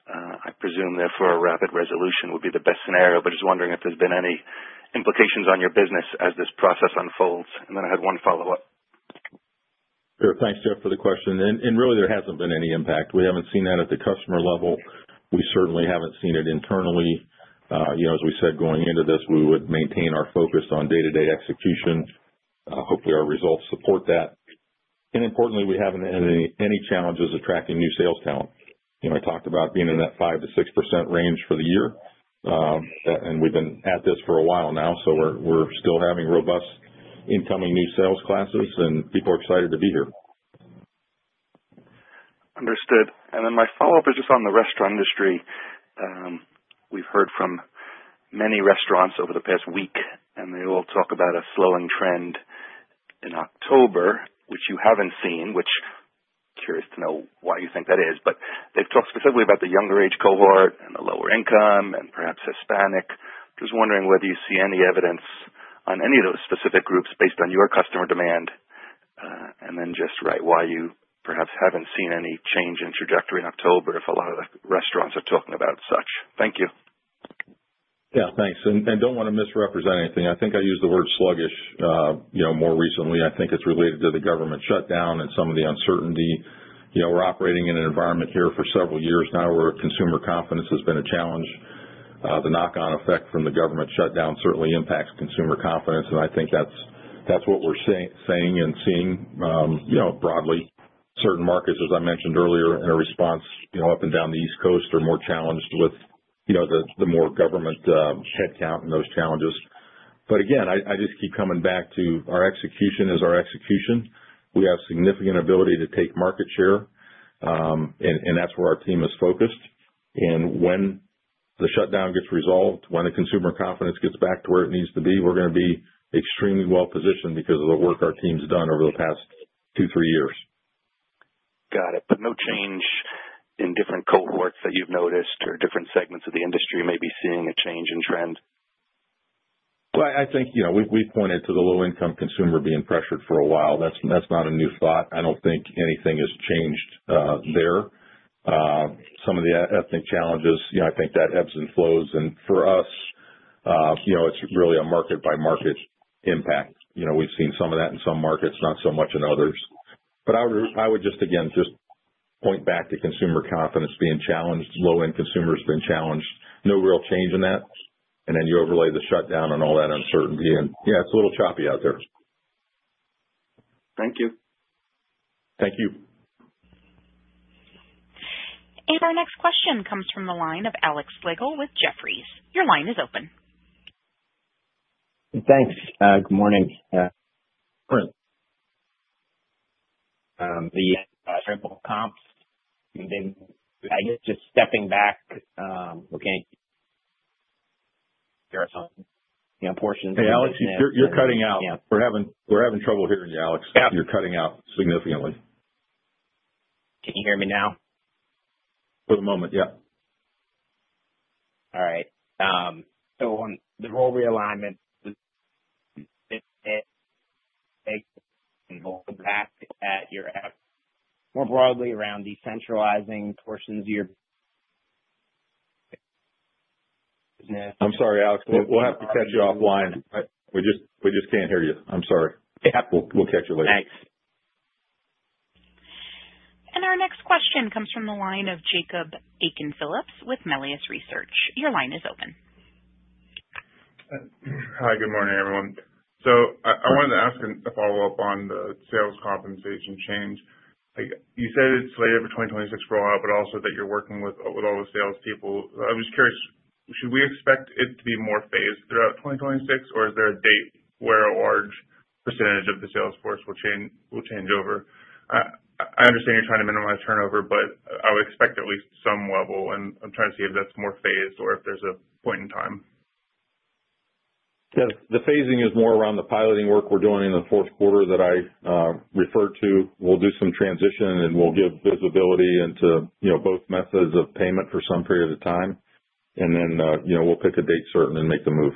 I presume, therefore, a rapid resolution would be the best scenario, but just wondering if there's been any implications on your business as this process unfolds. Then I had one follow-up.
Sure. Thanks, Jeff, for the question. Really, there hasn't been any impact. We haven't seen that at the customer level. We certainly haven't seen it internally. As we said going into this, we would maintain our focus on day-to-day execution. Hopefully, our results support that. Importantly, we haven't had any challenges attracting new sales talent. I talked about being in that 5%-6% range for the year. We've been at this for a while now, so we're still having robust incoming new sales classes and people are excited to be here.
Understood. My follow-up is just on the restaurant industry. We've heard from many restaurants over the past week. They all talk about a slowing trend in October, which you haven't seen, which curious to know why you think that is. They've talked specifically about the younger age cohort and the lower income and perhaps Hispanic. Just wondering whether you see any evidence on any of those specific groups based on your customer demand. Just right why you perhaps haven't seen any change in trajectory in October if a lot of the restaurants are talking about such. Thank you.
Yeah, thanks. Don't want to misrepresent anything. I think I used the word sluggish more recently. I think it's related to the government shutdown and some of the uncertainty. We're operating in an environment here for several years now where consumer confidence has been a challenge. The knock-on effect from the government shutdown certainly impacts consumer confidence, and I think that's what we're saying and seeing broadly. Certain markets, as I mentioned earlier in a response, up and down the East Coast are more challenged with the more government shutdown and those challenges. Again, I just keep coming back to our execution is our execution. We have significant ability to take market share, and that's where our team is focused. When the shutdown gets resolved, when the consumer confidence gets back to where it needs to be, we're going to be extremely well-positioned because of the work our team's done over the past two, three years.
Got it. No change in different cohorts that you've noticed or different segments of the industry maybe seeing a change in trend?
Well, I think we've pointed to the low-income consumer being pressured for a while. That's not a new thought. I don't think anything has changed there. Some of the ethnic challenges, I think that ebbs and flows, and for us, it's really a market-by-market impact. We've seen some of that in some markets, not so much in others. I would just, again, just point back to consumer confidence being challenged, low-end consumers being challenged. No real change in that. Then you overlay the shutdown and all that uncertainty, and yeah, it's a little choppy out there.
Thank you.
Thank you.
Our next question comes from the line of Alexander Slagle with Jefferies. Your line is open.
Thanks. Good morning. The triple comps, I guess just stepping back, okay, there are some portions.
Hey, Alex, you're cutting out.
Yeah.
We're having trouble hearing you, Alex.
Yeah. You're cutting out significantly. Can you hear me now?
For the moment, yeah.
All right. on the role realignment,
I'm sorry, Alex. We'll have to cut you offline. We just can't hear you. I'm sorry.
Yeah. We'll catch you later. Thanks.
Our next question comes from the line of Jakob Aiken-Phillips with Melius Research. Your line is open.
Hi. Good morning, everyone. I wanted to ask a follow-up on the sales compensation change. You said it's slated for 2026 rollout, but also that you're working with all the salespeople. I was just curious, should we expect it to be more phased throughout 2026, or is there a date where a large percentage of the sales force will change over? I understand you're trying to minimize turnover, but I would expect at least some level, and I'm trying to see if that's more phased or if there's a point in time.
Yes. The phasing is more around the piloting work we're doing in the fourth quarter that I referred to. We'll do some transition, and we'll give visibility into both methods of payment for some period of time. Then we'll pick a date certain and make the move.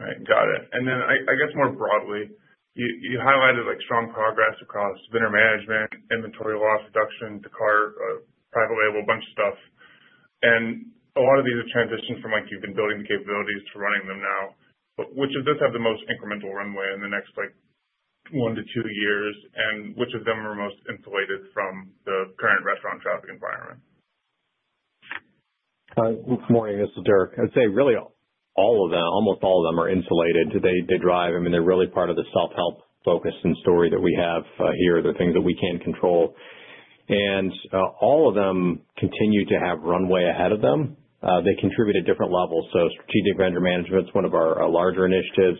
Right. Got it. I guess more broadly, you highlighted strong progress across vendor management, inventory loss reduction, Descartes, Private Label, a bunch of stuff. A lot of these are transitions from you've been building the capabilities to running them now. Which of those have the most incremental runway in the next 1 to 2 years, and which of them are most insulated from the current restaurant traffic environment?
Good morning. This is Dirk. I'd say really all of them, almost all of them are insulated. They drive. I mean, they're really part of the self-help focus and story that we have here, the things that we can control. All of them continue to have runway ahead of them. They contribute at different levels. Strategic vendor management is one of our larger initiatives.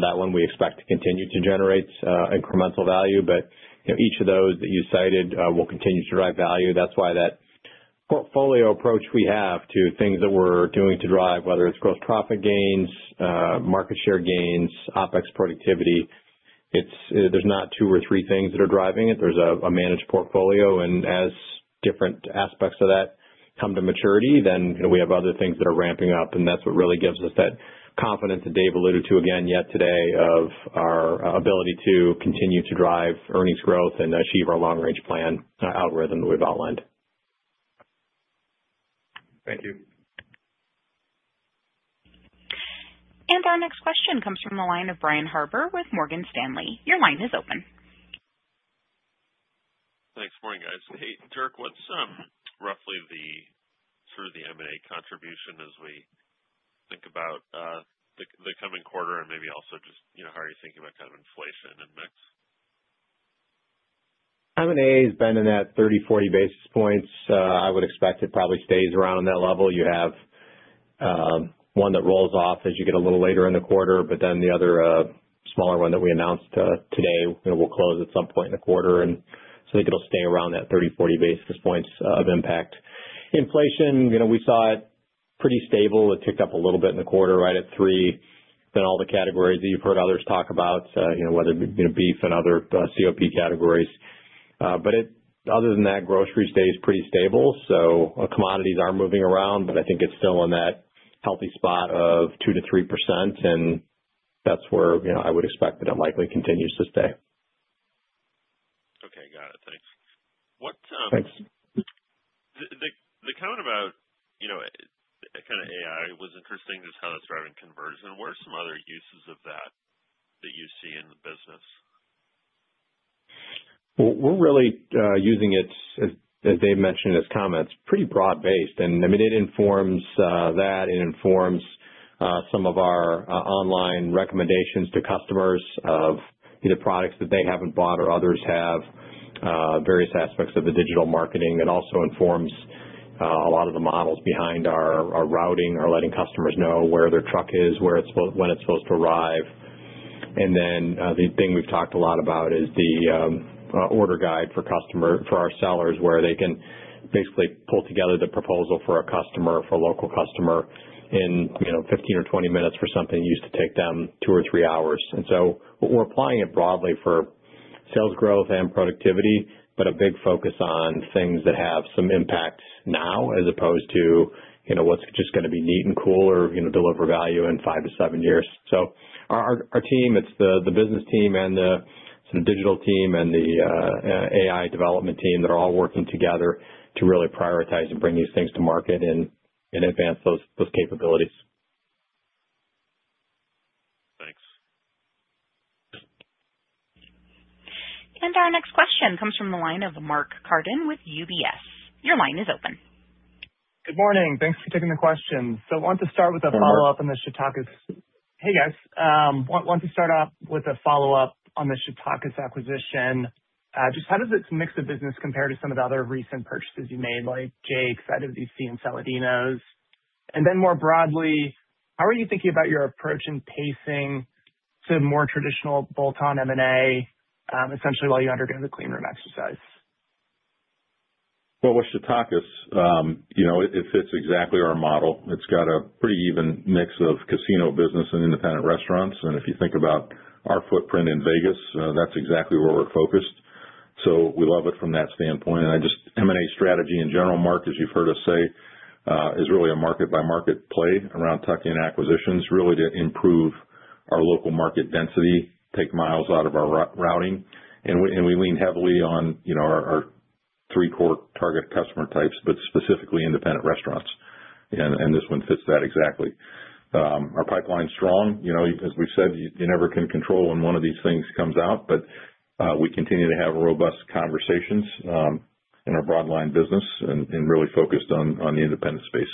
That one we expect to continue to generate incremental value. Each of those that you cited will continue to drive value. That's why that portfolio approach we have to things that we're doing to drive, whether it's gross profit gains, market share gains, OpEx productivity, there's not 2 or 3 things that are driving it. There's a managed portfolio. As different aspects of that come to maturity, we have other things that are ramping up, that's what really gives us that confidence that Dave alluded to again yet today of our ability to continue to drive earnings growth and achieve our long-range plan algorithm that we've outlined.
Thank you.
Our next question comes from the line of Brian Harbour with Morgan Stanley. Your line is open.
Thanks. Morning, guys. Hey, Dirk, what's roughly the sort of the M&A contribution as we think about the coming quarter and maybe also just how are you thinking about inflation and mix?
M&A has been in that 30, 40 basis points. I would expect it probably stays around that level. You have one that rolls off as you get a little later in the quarter, but then the other smaller one that we announced today will close at some point in the quarter, and so I think it'll stay around that 30, 40 basis points of impact. Inflation, we saw it pretty stable. It ticked up a little bit in the quarter, right at three, been all the categories that you've heard others talk about whether beef and other COP categories. Other than that, grocery stays pretty stable. Our commodities are moving around, but I think it's still in that healthy spot of 2%-3%, and that's where I would expect that it likely continues to stay.
Okay, got it. Thanks.
Thanks.
The comment about AI was interesting, just how it's driving conversion. What are some other uses of that that you see in the business?
We're really using it, as Dave mentioned in his comments, pretty broad-based. It informs that, it informs some of our online recommendations to customers of either products that they haven't bought or others have, various aspects of the digital marketing. It also informs a lot of the models behind our routing, our letting customers know where their truck is, when it's supposed to arrive. The thing we've talked a lot about is the order guide for our sellers, where they can basically pull together the proposal for a customer, for a local customer in 15 or 20 minutes for something that used to take them two or three hours. We're applying it broadly for sales growth and productivity, but a big focus on things that have some impact now as opposed to what's just going to be neat and cool or deliver value in five to seven years. Our team, it's the business team and some digital team and the AI development team that are all working together to really prioritize and bring these things to market and advance those capabilities.
Thanks.
Our next question comes from the line of Mark Carden with UBS. Your line is open.
Good morning. Thanks for taking the question. Want to start with a follow-up on the Shetakis. Hey, guys. Want to start off with a follow-up on the Shetakis acquisition. Just how does its mix of business compare to some of the other recent purchases you made, like Jake's, Idaho D.C., and Saladino's? More broadly, how are you thinking about your approach in pacing to more traditional bolt-on M&A, essentially while you undergo the clean room exercise?
With Shetakis it fits exactly our model. It's got a pretty even mix of casino business and independent restaurants. If you think about our footprint in Vegas, that's exactly where we're focused. We love it from that standpoint. M&A strategy in general, Mark, as you've heard us say, is really a market-by-market play around tuck-in acquisitions, really to improve our local market density, take miles out of our routing. We lean heavily on our three core target customer types, but specifically independent restaurants. This one fits that exactly. Our pipeline's strong. As we've said, you never can control when one of these things comes out, but we continue to have robust conversations in our broad line business and really focused on the independent space.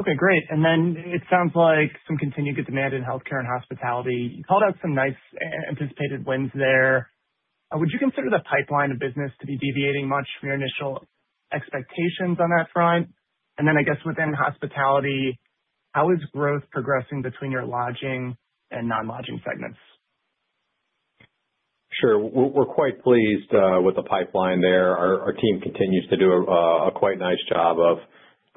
Okay, great. It sounds like some continued good demand in healthcare and hospitality. You called out some nice anticipated wins there. Would you consider the pipeline of business to be deviating much from your initial expectations on that front? I guess within hospitality, how is growth progressing between your lodging and non-lodging segments?
Sure. We're quite pleased with the pipeline there. Our team continues to do a quite nice job of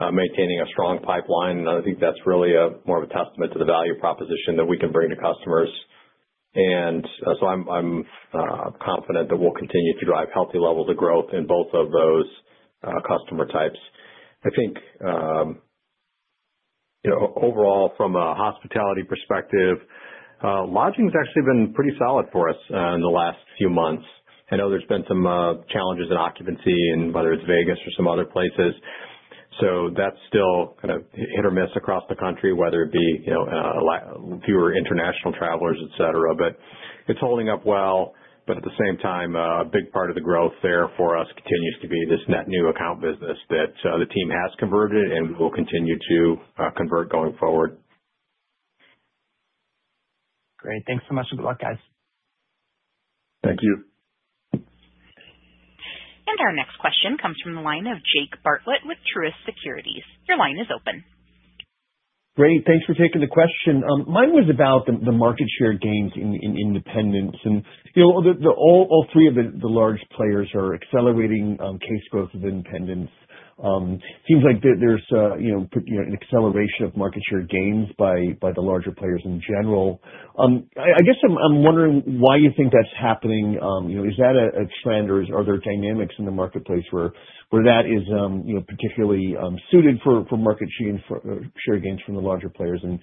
maintaining a strong pipeline, I think that's really more of a testament to the value proposition that we can bring to customers. I'm confident that we'll continue to drive healthy levels of growth in both of those customer types. I think overall, from a hospitality perspective, lodging's actually been pretty solid for us in the last few months. I know there's been some challenges in occupancy in whether it's Vegas or some other places. That's still kind of intermittent across the country, whether it be fewer international travelers, et cetera. It's holding up well. At the same time, a big part of the growth there for us continues to be this net new account business that the team has converted and will continue to convert going forward.
Great. Thanks so much, and good luck, guys.
Thank you.
Our next question comes from the line of Jake Bartlett with Truist Securities. Your line is open.
Great, thanks for taking the question. Mine was about the market share gains in independents. All three of the large players are accelerating case growth of independents. Seems like there's an acceleration of market share gains by the larger players in general. I guess I'm wondering why you think that's happening. Is that a trend or are there dynamics in the marketplace where that is particularly suited for market share gains from the larger players and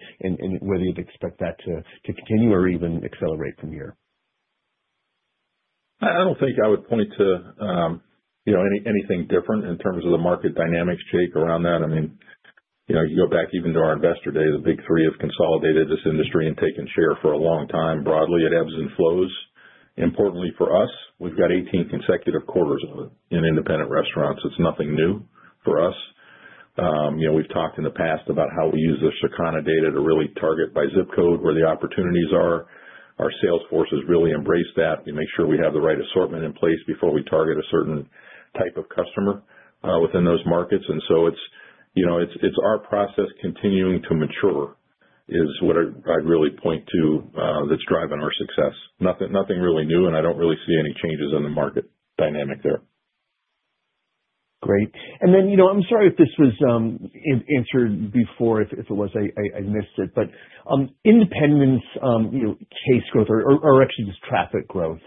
whether you'd expect that to continue or even accelerate from here?
I don't think I would point to anything different in terms of the market dynamics, Jake, around that. You go back even to our investor day, the big three have consolidated this industry and taken share for a long time. Broadly, it ebbs and flows. Importantly for us, we've got 18 consecutive quarters in independent restaurants. It's nothing new for us. We've talked in the past about how we use the Sakana data to really target by zip code where the opportunities are. Our sales forces really embrace that. We make sure we have the right assortment in place before we target a certain type of customer within those markets. It's our process continuing to mature is what I'd really point to that's driving our success. Nothing really new, I don't really see any changes in the market dynamic there.
Great. I'm sorry if this was answered before. If it was, I missed it. Independents case growth or actually just traffic growth.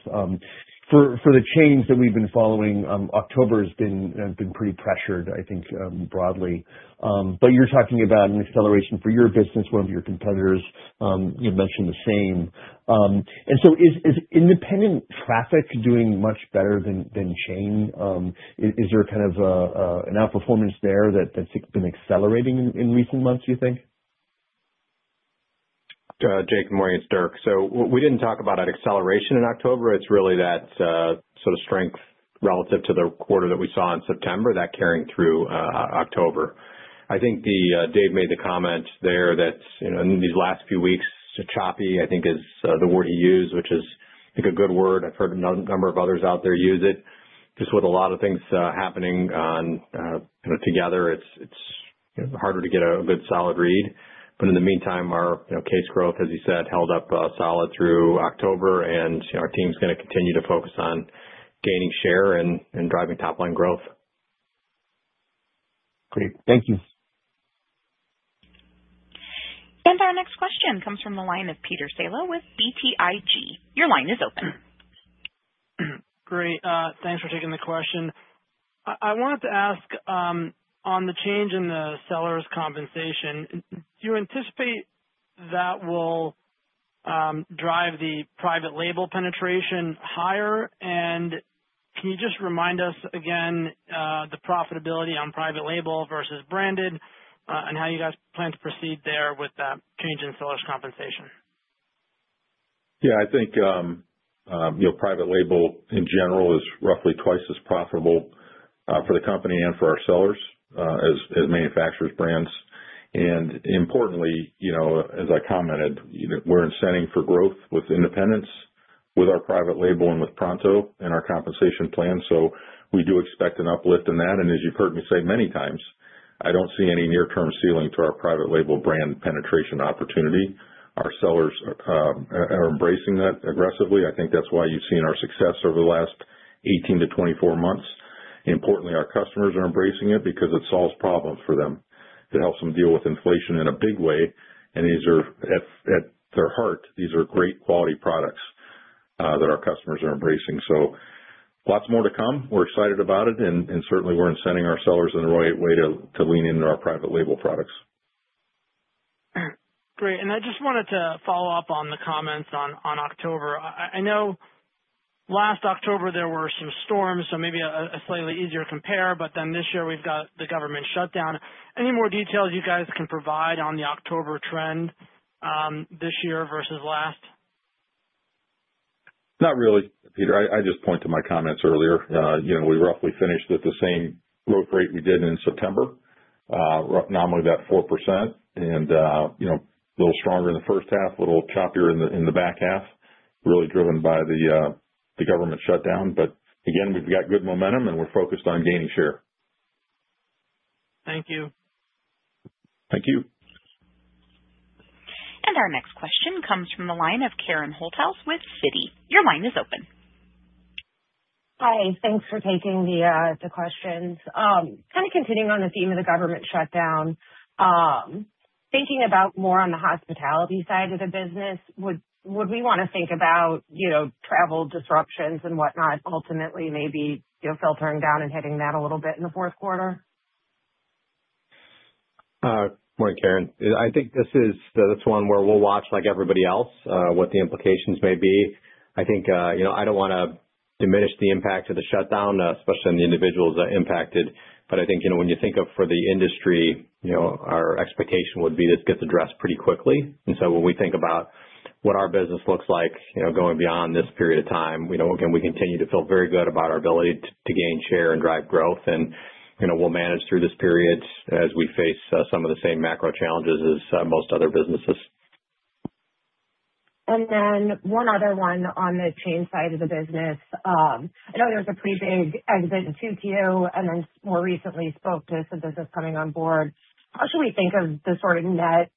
For the chains that we've been following, October has been pretty pressured, I think, broadly. You're talking about an acceleration for your business. One of your competitors mentioned the same. Is independent traffic doing much better than chain? Is there kind of an outperformance there that's been accelerating in recent months, do you think?
Jake, morning, it's Dirk. We didn't talk about an acceleration in October. It's really that sort of strength relative to the quarter that we saw in September, that carrying through October. I think Dave made the comment there that in these last few weeks, choppy, I think, is the word he used, which is I think a good word. I've heard a number of others out there use it. Just with a lot of things happening together, it's harder to get a good solid read. In the meantime, our case growth, as you said, held up solid through October and our team's going to continue to focus on gaining share and driving top-line growth.
Great. Thank you.
Our next question comes from the line of Peter Saleh with BTIG. Your line is open.
Great. Thanks for taking the question. I wanted to ask on the change in the seller's compensation, do you anticipate that will drive the private label penetration higher? Can you just remind us again the profitability on private label versus branded and how you guys plan to proceed there with that change in seller's compensation?
Yeah, I think private label in general is roughly twice as profitable for the company and for our sellers as manufacturer's brands. Importantly, as I commented, we're incenting for growth with independents, with our private label, and with Pronto and our compensation plan. We do expect an uplift in that. As you've heard me say many times, I don't see any near-term ceiling to our private label brand penetration opportunity. Our sellers are embracing that aggressively. I think that's why you've seen our success over the last 18-24 months. Importantly, our customers are embracing it because it solves problems for them. It helps them deal with inflation in a big way, and at their heart, these are great quality products that our customers are embracing. Lots more to come. We're excited about it and certainly we're incenting our sellers in the right way to lean into our private label products.
Great. I just wanted to follow up on the comments on October. I know last October there were some storms, so maybe a slightly easier compare, then this year we've got the government shutdown. Any more details you guys can provide on the October trend this year versus last?
Not really, Peter. I just point to my comments earlier. We roughly finished at the same growth rate we did in September, nominally about 4% a little stronger in the first half, a little choppier in the back half, really driven by the government shutdown. Again, we've got good momentum and we're focused on gaining share.
Thank you.
Thank you.
Our next question comes from the line of Karen Holthouse with Citi. Your line is open.
Hi. Thanks for taking the questions. Kind of continuing on the theme of the government shutdown. Thinking about more on the hospitality side of the business, would we want to think about travel disruptions and whatnot ultimately maybe filtering down and hitting that a little bit in the fourth quarter?
Morning, Karen. I think this is one where we'll watch like everybody else, what the implications may be. I don't want to diminish the impact of the shutdown, especially on the individuals impacted. I think when you think of for the industry, our expectation would be this gets addressed pretty quickly. When we think about what our business looks like going beyond this period of time, again, we continue to feel very good about our ability to gain share and drive growth. We'll manage through this period as we face some of the same macro challenges as most other businesses.
One other one on the chain side of the business. I know there's a pretty big exit in Q2 and more recently spoke to some business coming on board. How should we think of the sort of net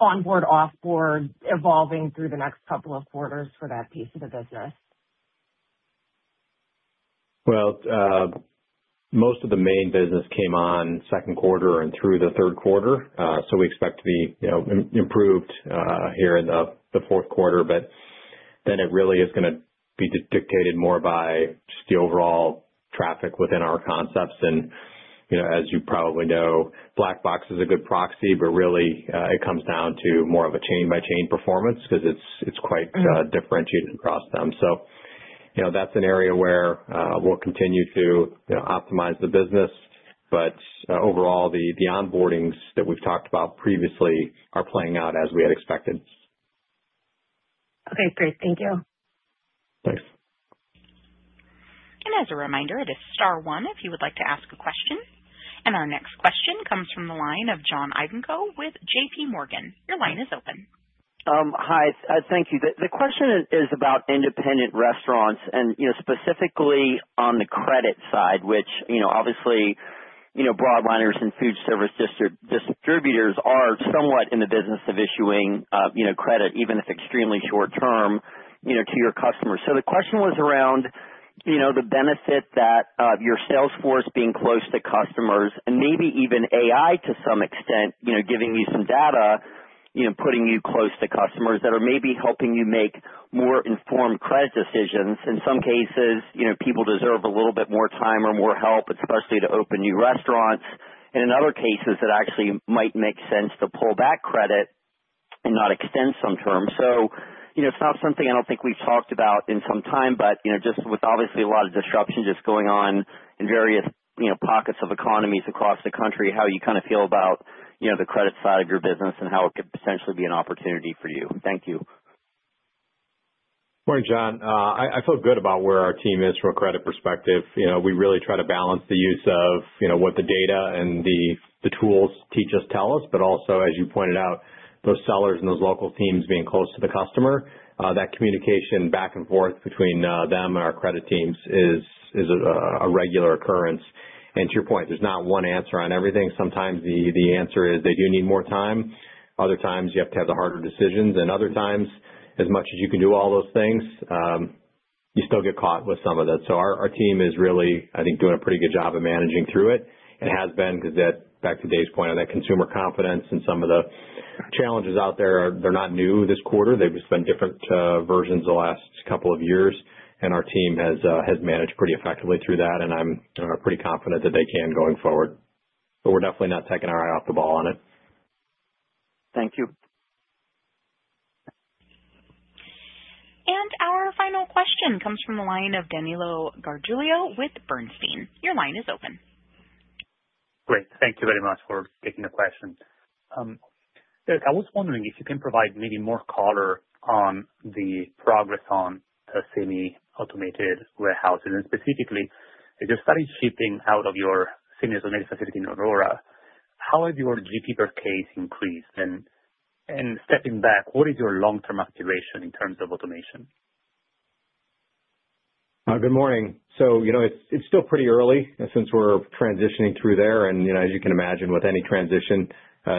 onboard, off board evolving through the next couple of quarters for that piece of the business?
Well, most of the main business came on second quarter and through the third quarter. We expect to be improved here in the fourth quarter. It really is going to be dictated more by just the overall traffic within our concepts. As you probably know, Black Box is a good proxy, but really it comes down to more of a chain by chain performance because it's quite differentiated across them. That's an area where we'll continue to optimize the business. Overall, the onboardings that we've talked about previously are playing out as we had expected.
Okay, great. Thank you.
Thanks.
As a reminder, it is star one if you would like to ask a question. Our next question comes from the line of John Ivankoe with JP Morgan. Your line is open.
Hi. Thank you. The question is about independent restaurants and specifically on the credit side, which obviously broadliners and foodservice distributors are somewhat in the business of issuing credit, even if extremely short term, to your customers. The question was around the benefit that your sales force being close to customers and maybe even AI to some extent, giving you some data, putting you close to customers that are maybe helping you make more informed credit decisions. In some cases, people deserve a little bit more time or more help, especially to open new restaurants. In other cases, it actually might make sense to pull back credit and not extend some terms. It's not something I don't think we've talked about in some time, but just with obviously a lot of disruption just going on in various pockets of economies across the country, how you feel about the credit side of your business and how it could potentially be an opportunity for you. Thank you.
Morning, John. I feel good about where our team is from a credit perspective. We really try to balance the use of what the data and the tools teach us, tell us, but also, as you pointed out, those sellers and those local teams being close to the customer, that communication back and forth between them and our credit teams is a regular occurrence. To your point, there's not one answer on everything. Sometimes the answer is they do need more time. Other times you have to have the harder decisions. Other times, as much as you can do all those things, you still get caught with some of that. Our team is really, I think, doing a pretty good job of managing through it and has been because that, back to Dave's point on that consumer confidence and some of the challenges out there, they're not new this quarter. They've just been different versions the last couple of years, and our team has managed pretty effectively through that, and I'm pretty confident that they can going forward. We're definitely not taking our eye off the ball on it.
Thank you.
Our final question comes from the line of Danilo Gargiulo with Bernstein. Your line is open.
Great. Thank you very much for taking the question. I was wondering if you can provide maybe more color on the progress on the semi-automated warehouses, and specifically, as you started shipping out of your semi-automated facility in Aurora, how has your GP per case increased? Stepping back, what is your long-term aspiration in terms of automation?
Good morning. It's still pretty early since we're transitioning through there. As you can imagine, with any transition,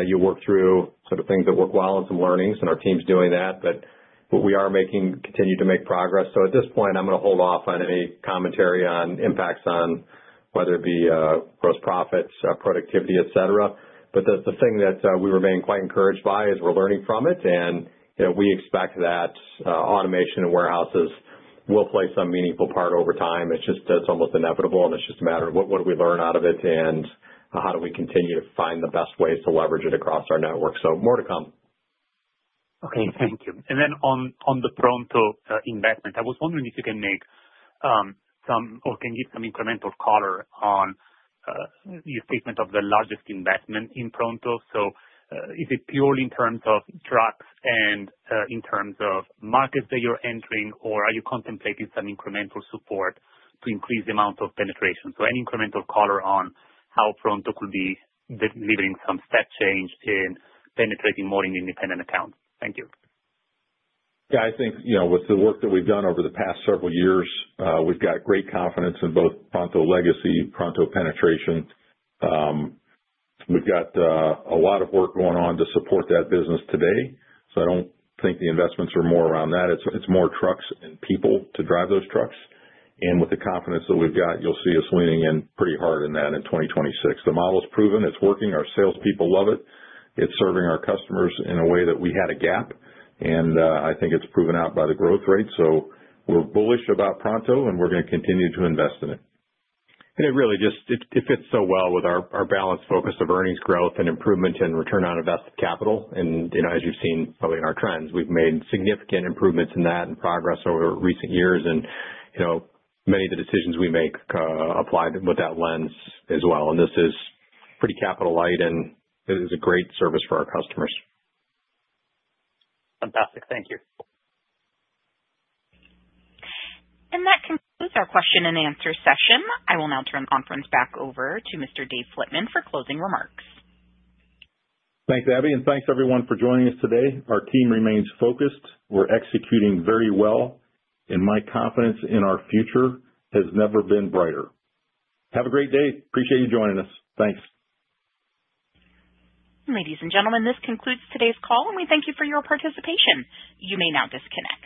you work through sort of things that work well and some learnings, and our team's doing that. We continue to make progress. At this point, I'm going to hold off on any commentary on impacts on whether it be gross profits, productivity, et cetera. The thing that we remain quite encouraged by is we're learning from it and we expect that automation in warehouses will play some meaningful part over time. It's just almost inevitable, and it's just a matter of what do we learn out of it and how do we continue to find the best ways to leverage it across our network. More to come.
Okay, thank you. On the Pronto investment, I was wondering if you can make some or can give some incremental color on your statement of the largest investment in Pronto. Is it purely in terms of trucks and in terms of markets that you're entering, or are you contemplating some incremental support to increase the amount of penetration? Any incremental color on how Pronto could be delivering some step change in penetrating more in independent accounts. Thank you.
I think, with the work that we've done over the past several years, we've got great confidence in both Pronto Legacy, Pronto penetration. We've got a lot of work going on to support that business today. I don't think the investments are more around that. It's more trucks and people to drive those trucks. With the confidence that we've got, you'll see us leaning in pretty hard in that in 2026. The model's proven. It's working. Our salespeople love it. It's serving our customers in a way that we had a gap. I think it's proven out by the growth rate. We're bullish about Pronto. We're going to continue to invest in it.
It really just, it fits so well with our balanced focus of earnings growth and improvement in return on invested capital. As you've seen probably in our trends, we've made significant improvements in that and progress over recent years. Many of the decisions we make apply with that lens as well. This is pretty capital light. It is a great service for our customers.
Fantastic. Thank you.
That concludes our question and answer session. I will now turn the conference back over to Mr. Dave Flitman for closing remarks.
Thanks, Abby. Thanks everyone for joining us today. Our team remains focused. We're executing very well. My confidence in our future has never been brighter. Have a great day. Appreciate you joining us. Thanks.
Ladies and gentlemen, this concludes today's call. We thank you for your participation. You may now disconnect.